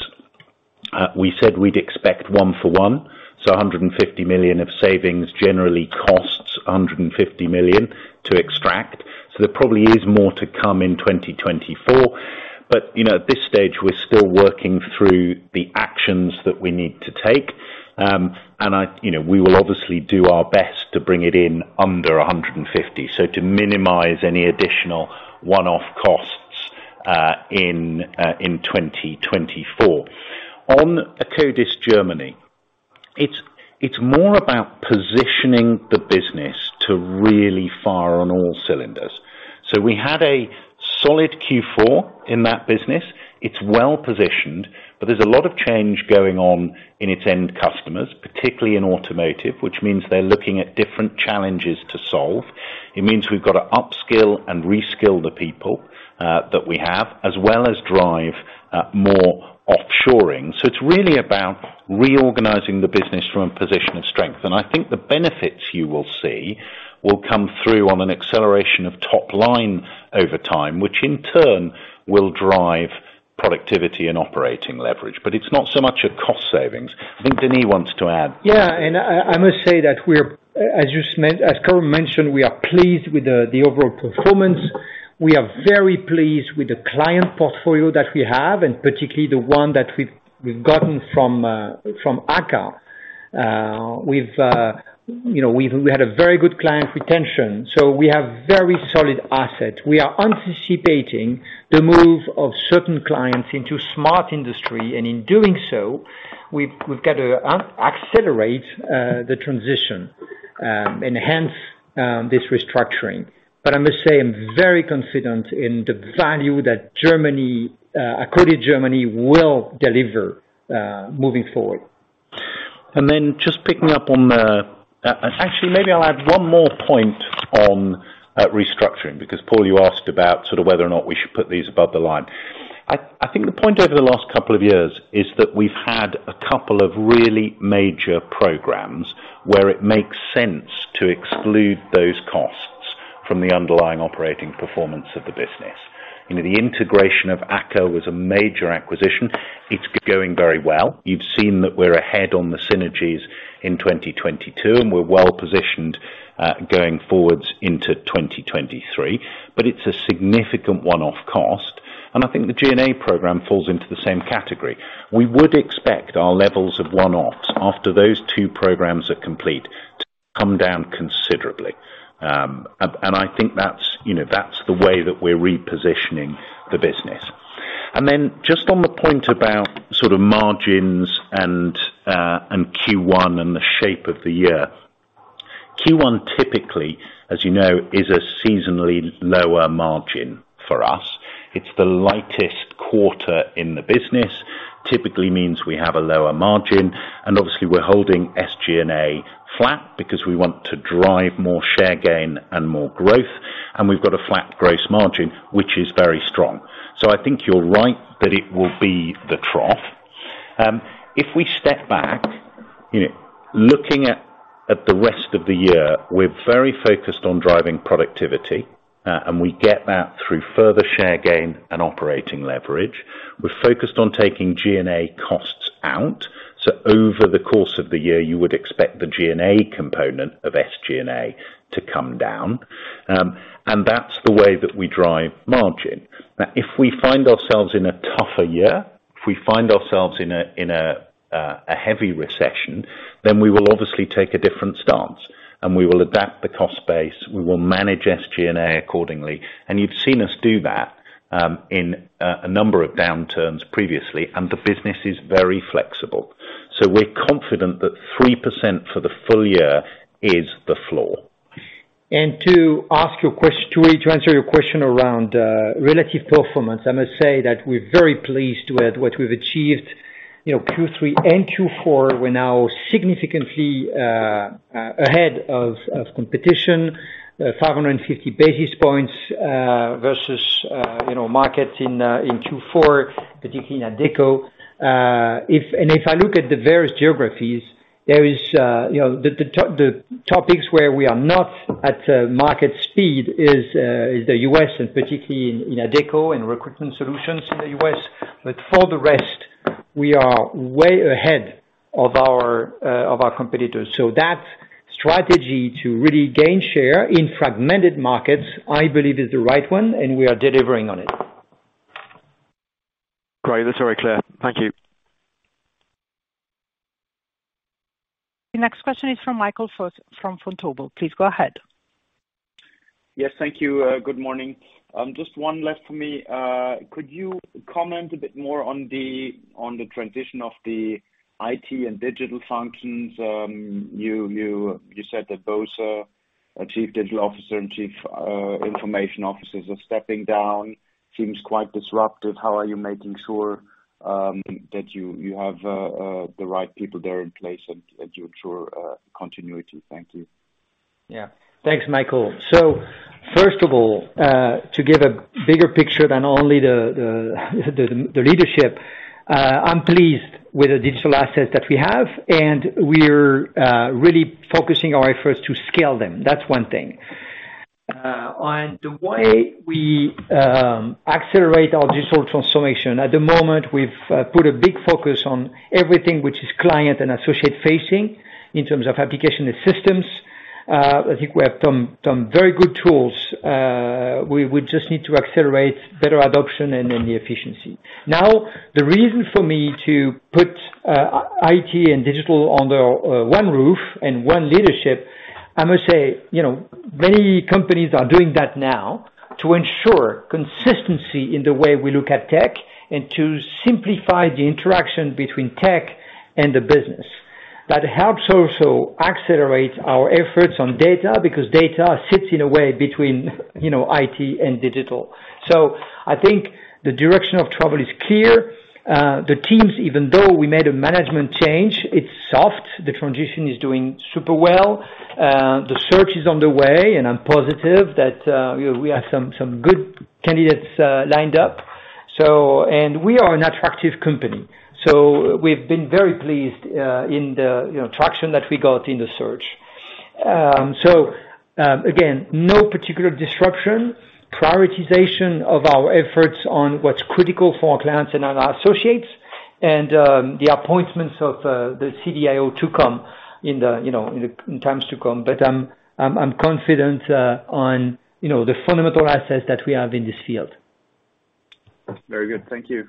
we said we'd expect one for one, so 150 million of savings generally costs 150 million to extract. There probably is more to come in 2024. You know, at this stage, we're still working through the actions that we need to take. I, you know, we will obviously do our best to bring it in under 150, so to minimize any additional one-off costs in 2024. On Akkodis Germany, it's more about positioning the business to really fire on all cylinders. We had a solid Q4 in that business. It's well-positioned, but there's a lot of change going on in its end customers, particularly in automotive, which means they're looking at different challenges to solve. It means we've gotta up-skill and re-skill the people that we have, as well as drive more offshoring. It's really about reorganizing the business from a position of strength. I think the benefits you will see will come through on an acceleration of top line over time, which in turn will drive productivity and operating leverage. It's not so much a cost savings. I think Denis wants to add. Yeah. I must say that we're, as Coram mentioned, we are pleased with the overall performance. We are very pleased with the client portfolio that we have, and particularly the one that we've gotten from from Akka. We've, you know, we had a very good client retention, so we have very solid assets. We are anticipating the move of certain clients into smart industry, and in doing so, we've got to accelerate the transition and enhance this restructuring. I must say I'm very confident in the value that Germany, Akkodis Germany will deliver moving forward. Just picking up on the. Actually, maybe I'll add one more point on restructuring, because Paul, you asked about sort of whether or not we should put these above the line. I think the point over the last couple of years is that we've had a couple of really major programs where it makes sense to exclude those costs from the underlying operating performance of the business. You know, the integration of Akka was a major acquisition. It's going very well. You've seen that we're ahead on the synergies in 2022, and we're well positioned, going forwards into 2023. It's a significant one-off cost, and I think the G&A program falls into the same category. We would expect our levels of one-offs after those two programs are complete to come down considerably. And I think that's, you know, that's the way that we're repositioning the business. Then just on the point about sort of margins and Q1 and the shape of the year. Q1 typically, as you know, is a seasonally lower margin for us. It's the lightest quarter in the business. Typically means we have a lower margin, and obviously we're holding SG&A flat because we want to drive more share gain and more growth, and we've got a flat gross margin, which is very strong. I think you're right that it will be the trough. If we step back, you know, looking at the rest of the year, we're very focused on driving productivity, and we get that through further share gain and operating leverage. We're focused on taking G&A costs out, so over the course of the year, you would expect the G&A component of SG&A to come down. That's the way that we drive margin. Now, if we find ourselves in a tougher year, if we find ourselves in a heavy recession, then we will obviously take a different stance, and we will adapt the cost base. We will manage SG&A accordingly. You've seen us do that in a number of downturns previously, and the business is very flexible. We're confident that 3% for the full year is the floor. To answer your question around relative performance, I must say that we're very pleased with what we've achieved. You know, Q3 and Q4, we're now significantly ahead of competition. 550 basis points versus, you know, markets in Q4, particularly in Adecco. If I look at the various geographies, there is, you know, the topics where we are not at market speed is the US and particularly in Adecco and Recruitment Solutions in the US. For the rest, we are way ahead of our competitors. That strategy to really gain share in fragmented markets, I believe is the right one, and we are delivering on it. Great. That's very clear. Thank you. The next question is from Michael Foeth from Vontobel. Please go ahead. Yes, thank you. Good morning. Just one left for me. Could you comment a bit more on the transition of the IT and digital functions? You said that both Chief Digital Officer and Chief Information Officers are stepping down. Seems quite disruptive. How are you making sure that you have the right people there in place and ensure continuity? Thank you. Yeah. Thanks, Michael. First of all, to give a bigger picture than only the, the leadership, I'm pleased with the digital assets that we have, and we're really focusing our efforts to scale them. That's one thing. On the way we accelerate our digital transformation, at the moment, we've put a big focus on everything which is client and associate facing in terms of application and systems. I think we have some very good tools. We just need to accelerate better adoption and then the efficiency. Now, the reason for me to put IT and digital under one roof and one leadership, I must say, you know, many companies are doing that now to ensure consistency in the way we look at tech and to simplify the interaction between tech and the business. That helps also accelerate our efforts on data, because data sits in a way between, you know, IT and digital. I think the direction of travel is clear. The teams, even though we made a management change, it's soft. The transition is doing super well. The search is underway, and I'm positive that, you know, we have some good candidates, lined up. We are an attractive company, so we've been very pleased, in the, you know, traction that we got in the search. Again, no particular disruption. Prioritization of our efforts on what's critical for our clients and our associates and, the appointments of the CDIO to come in the, you know, in the times to come. I'm, I'm confident on, you know, the fundamental assets that we have in this field. Very good. Thank you.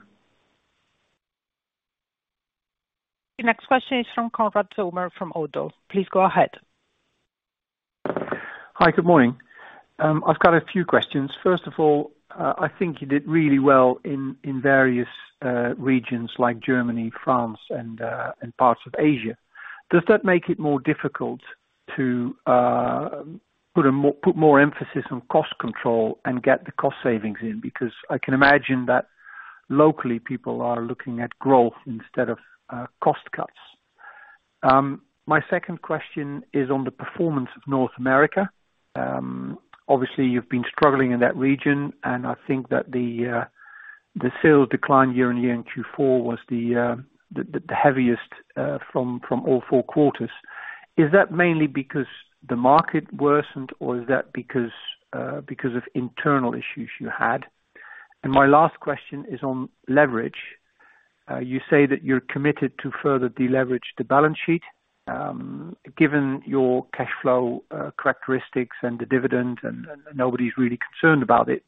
The next question is from Konrad Zomer from Oddo. Please go ahead. Hi, good morning. I've got a few questions. First of all, I think you did really well in various regions like Germany, France, and parts of Asia. Does that make it more difficult to put more emphasis on cost control and get the cost savings in? I can imagine that locally people are looking at growth instead of cost cuts. My second question is on the performance of North America. Obviously you've been struggling in that region, and I think that the sales declined year-on-year in Q4 was the heaviest from all four quarters. Is that mainly because the market worsened or is that because of internal issues you had? My last question is on leverage. You say that you're committed to further deleverage the balance sheet, given your cash flow, characteristics and the dividend, and nobody's really concerned about it.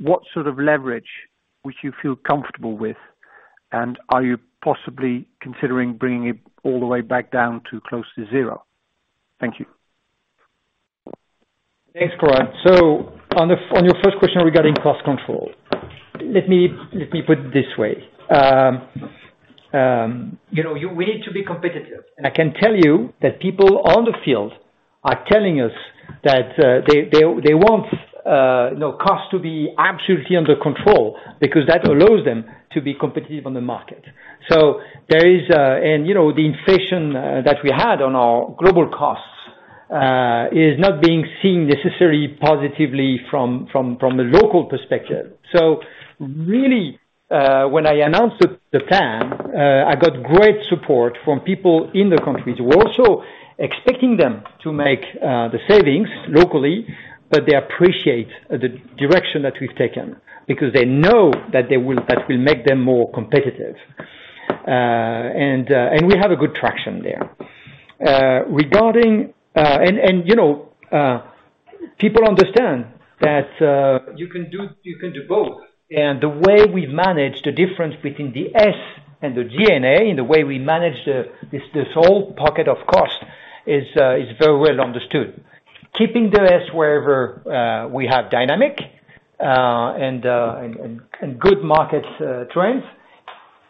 What sort of leverage would you feel comfortable with? Are you possibly considering bringing it all the way back down to close to zero? Thank you. Thanks, Konrad. On your first question regarding cost control. Let me put it this way. You know, we need to be competitive. I can tell you that people on the field are telling us that, they want, you know, cost to be absolutely under control because that allows them to be competitive on the market. There is. You know, the inflation that we had on our global costs, is not being seen necessarily positively from a local perspective. Really, when I announced the plan, I got great support from people in the countries. We're also expecting them to make the savings locally, but they appreciate the direction that we've taken because they know that that will make them more competitive. We have a good traction there. You know, people understand that you can do both. The way we manage the difference between the S and the G&A and the way we manage this whole pocket of cost is very well understood. Keeping the S wherever we have dynamic and good market trends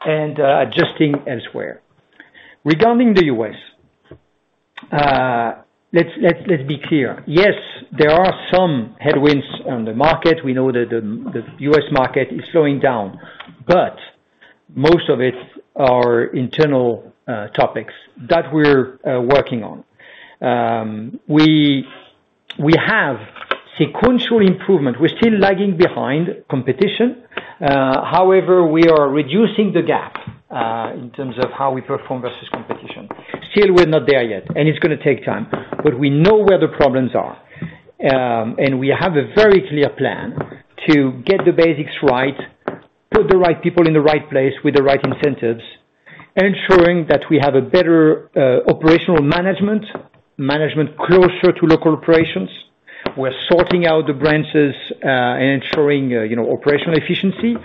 and adjusting elsewhere. Regarding the US. Let's be clear. Yes, there are some headwinds on the market. We know that the US market is slowing down, but most of it are internal topics that we're working on. We have sequential improvement. We're still lagging behind competition. However, we are reducing the gap in terms of how we perform versus competition. We're not there yet, and it's gonna take time, but we know where the problems are. We have a very clear plan to get the basics right, put the right people in the right place with the right incentives, ensuring that we have a better operational management closer to local operations. We're sorting out the branches, and ensuring, you know, operational efficiency,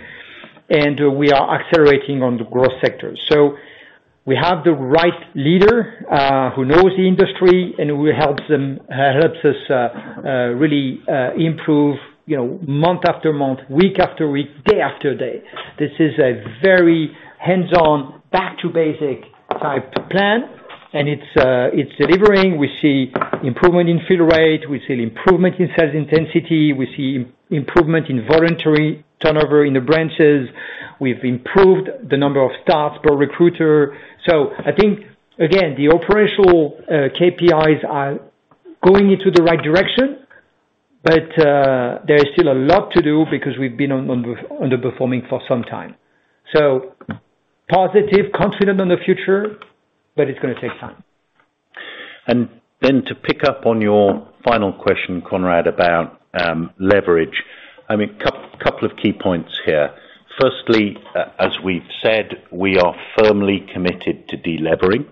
and we are accelerating on the growth sector. We have the right leader, who knows the industry and will helps us really improve, you know, month after month, week after week, day after day. This is a very hands-on, back to basic type plan, and it's delivering. We see improvement in fill rate. We see improvement in sales intensity. We see improvement in voluntary turnover in the branches. We've improved the number of starts per recruiter. I think, again, the operational KPIs are going into the right direction, but there is still a lot to do because we've been on underperforming for some time. Positive, confident on the future, but it's gonna take time. To pick up on your final question, Konrad, about leverage. I mean, couple of key points here. Firstly, as we've said, we are firmly committed to delivering.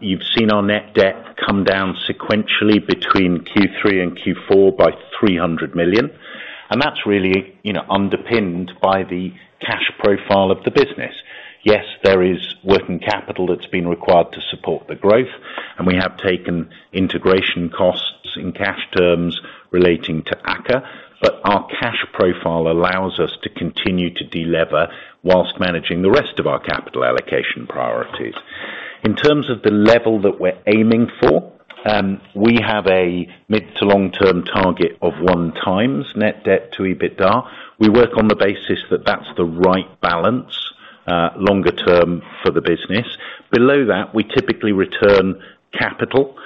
You've seen our net debt come down sequentially between Q3 and Q4 by 300 million, and that's really, you know, underpinned by the cash profile of the business. Yes, there is working capital that's been required to support the growth, and we have taken integration costs in cash terms relating to Akka. Our cash profile allows us to continue to deliver whilst managing the rest of our capital allocation priorities. In terms of the level that we're aiming for, we have a mid to long-term target of one time net debt to EBITDA. We work on the basis that that's the right balance, longer term for the business. Below that, we typically return capital.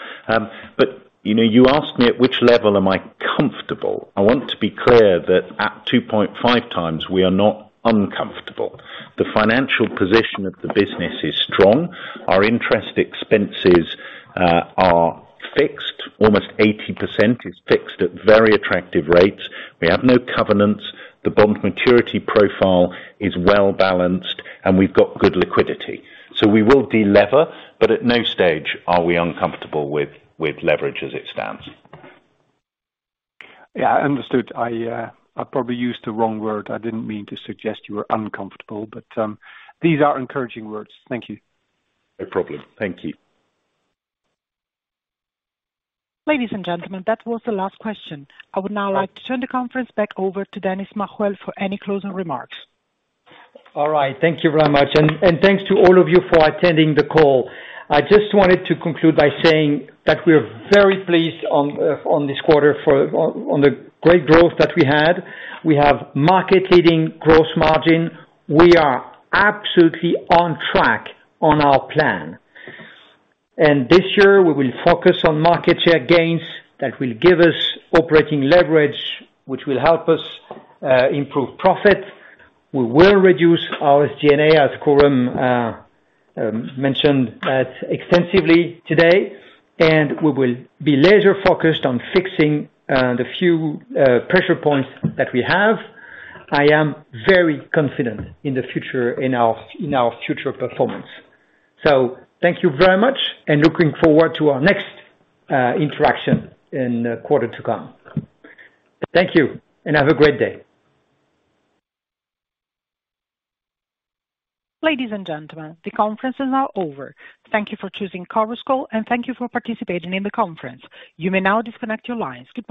You know, you asked me at which level am I comfortable. I want to be clear that at 2.5 times, we are not uncomfortable. The financial position of the business is strong. Our interest expenses are fixed. Almost 80% is fixed at very attractive rates. We have no covenants. The bond maturity profile is well-balanced, and we've got good liquidity. We will delver, but at no stage are we uncomfortable with leverage as it stands. Yeah, understood. I probably used the wrong word. I didn't mean to suggest you were uncomfortable. These are encouraging words. Thank you. No problem. Thank you. Ladies and gentlemen, that was the last question. I would now like to turn the conference back over to Denis Machuel for any closing remarks. Right. Thank you very much. Thanks to all of you for attending the call. I just wanted to conclude by saying that we're very pleased on this quarter for the great growth that we had. We have market-leading gross margin. We are absolutely on track on our plan. This year we will focus on market share gains that will give us operating leverage, which will help us improve profit. We will reduce our G&A, as Coram mentioned that extensively today, we will be laser focused on fixing the few pressure points that we have. I am very confident in the future in our future performance. Thank you very much, looking forward to our next interaction in the quarter to come. Thank you, have a great day. Ladies and gentlemen, the conference is now over. Thank you for choosing Conference Call. Thank you for participating in the conference. You may now disconnect your lines. Goodbye.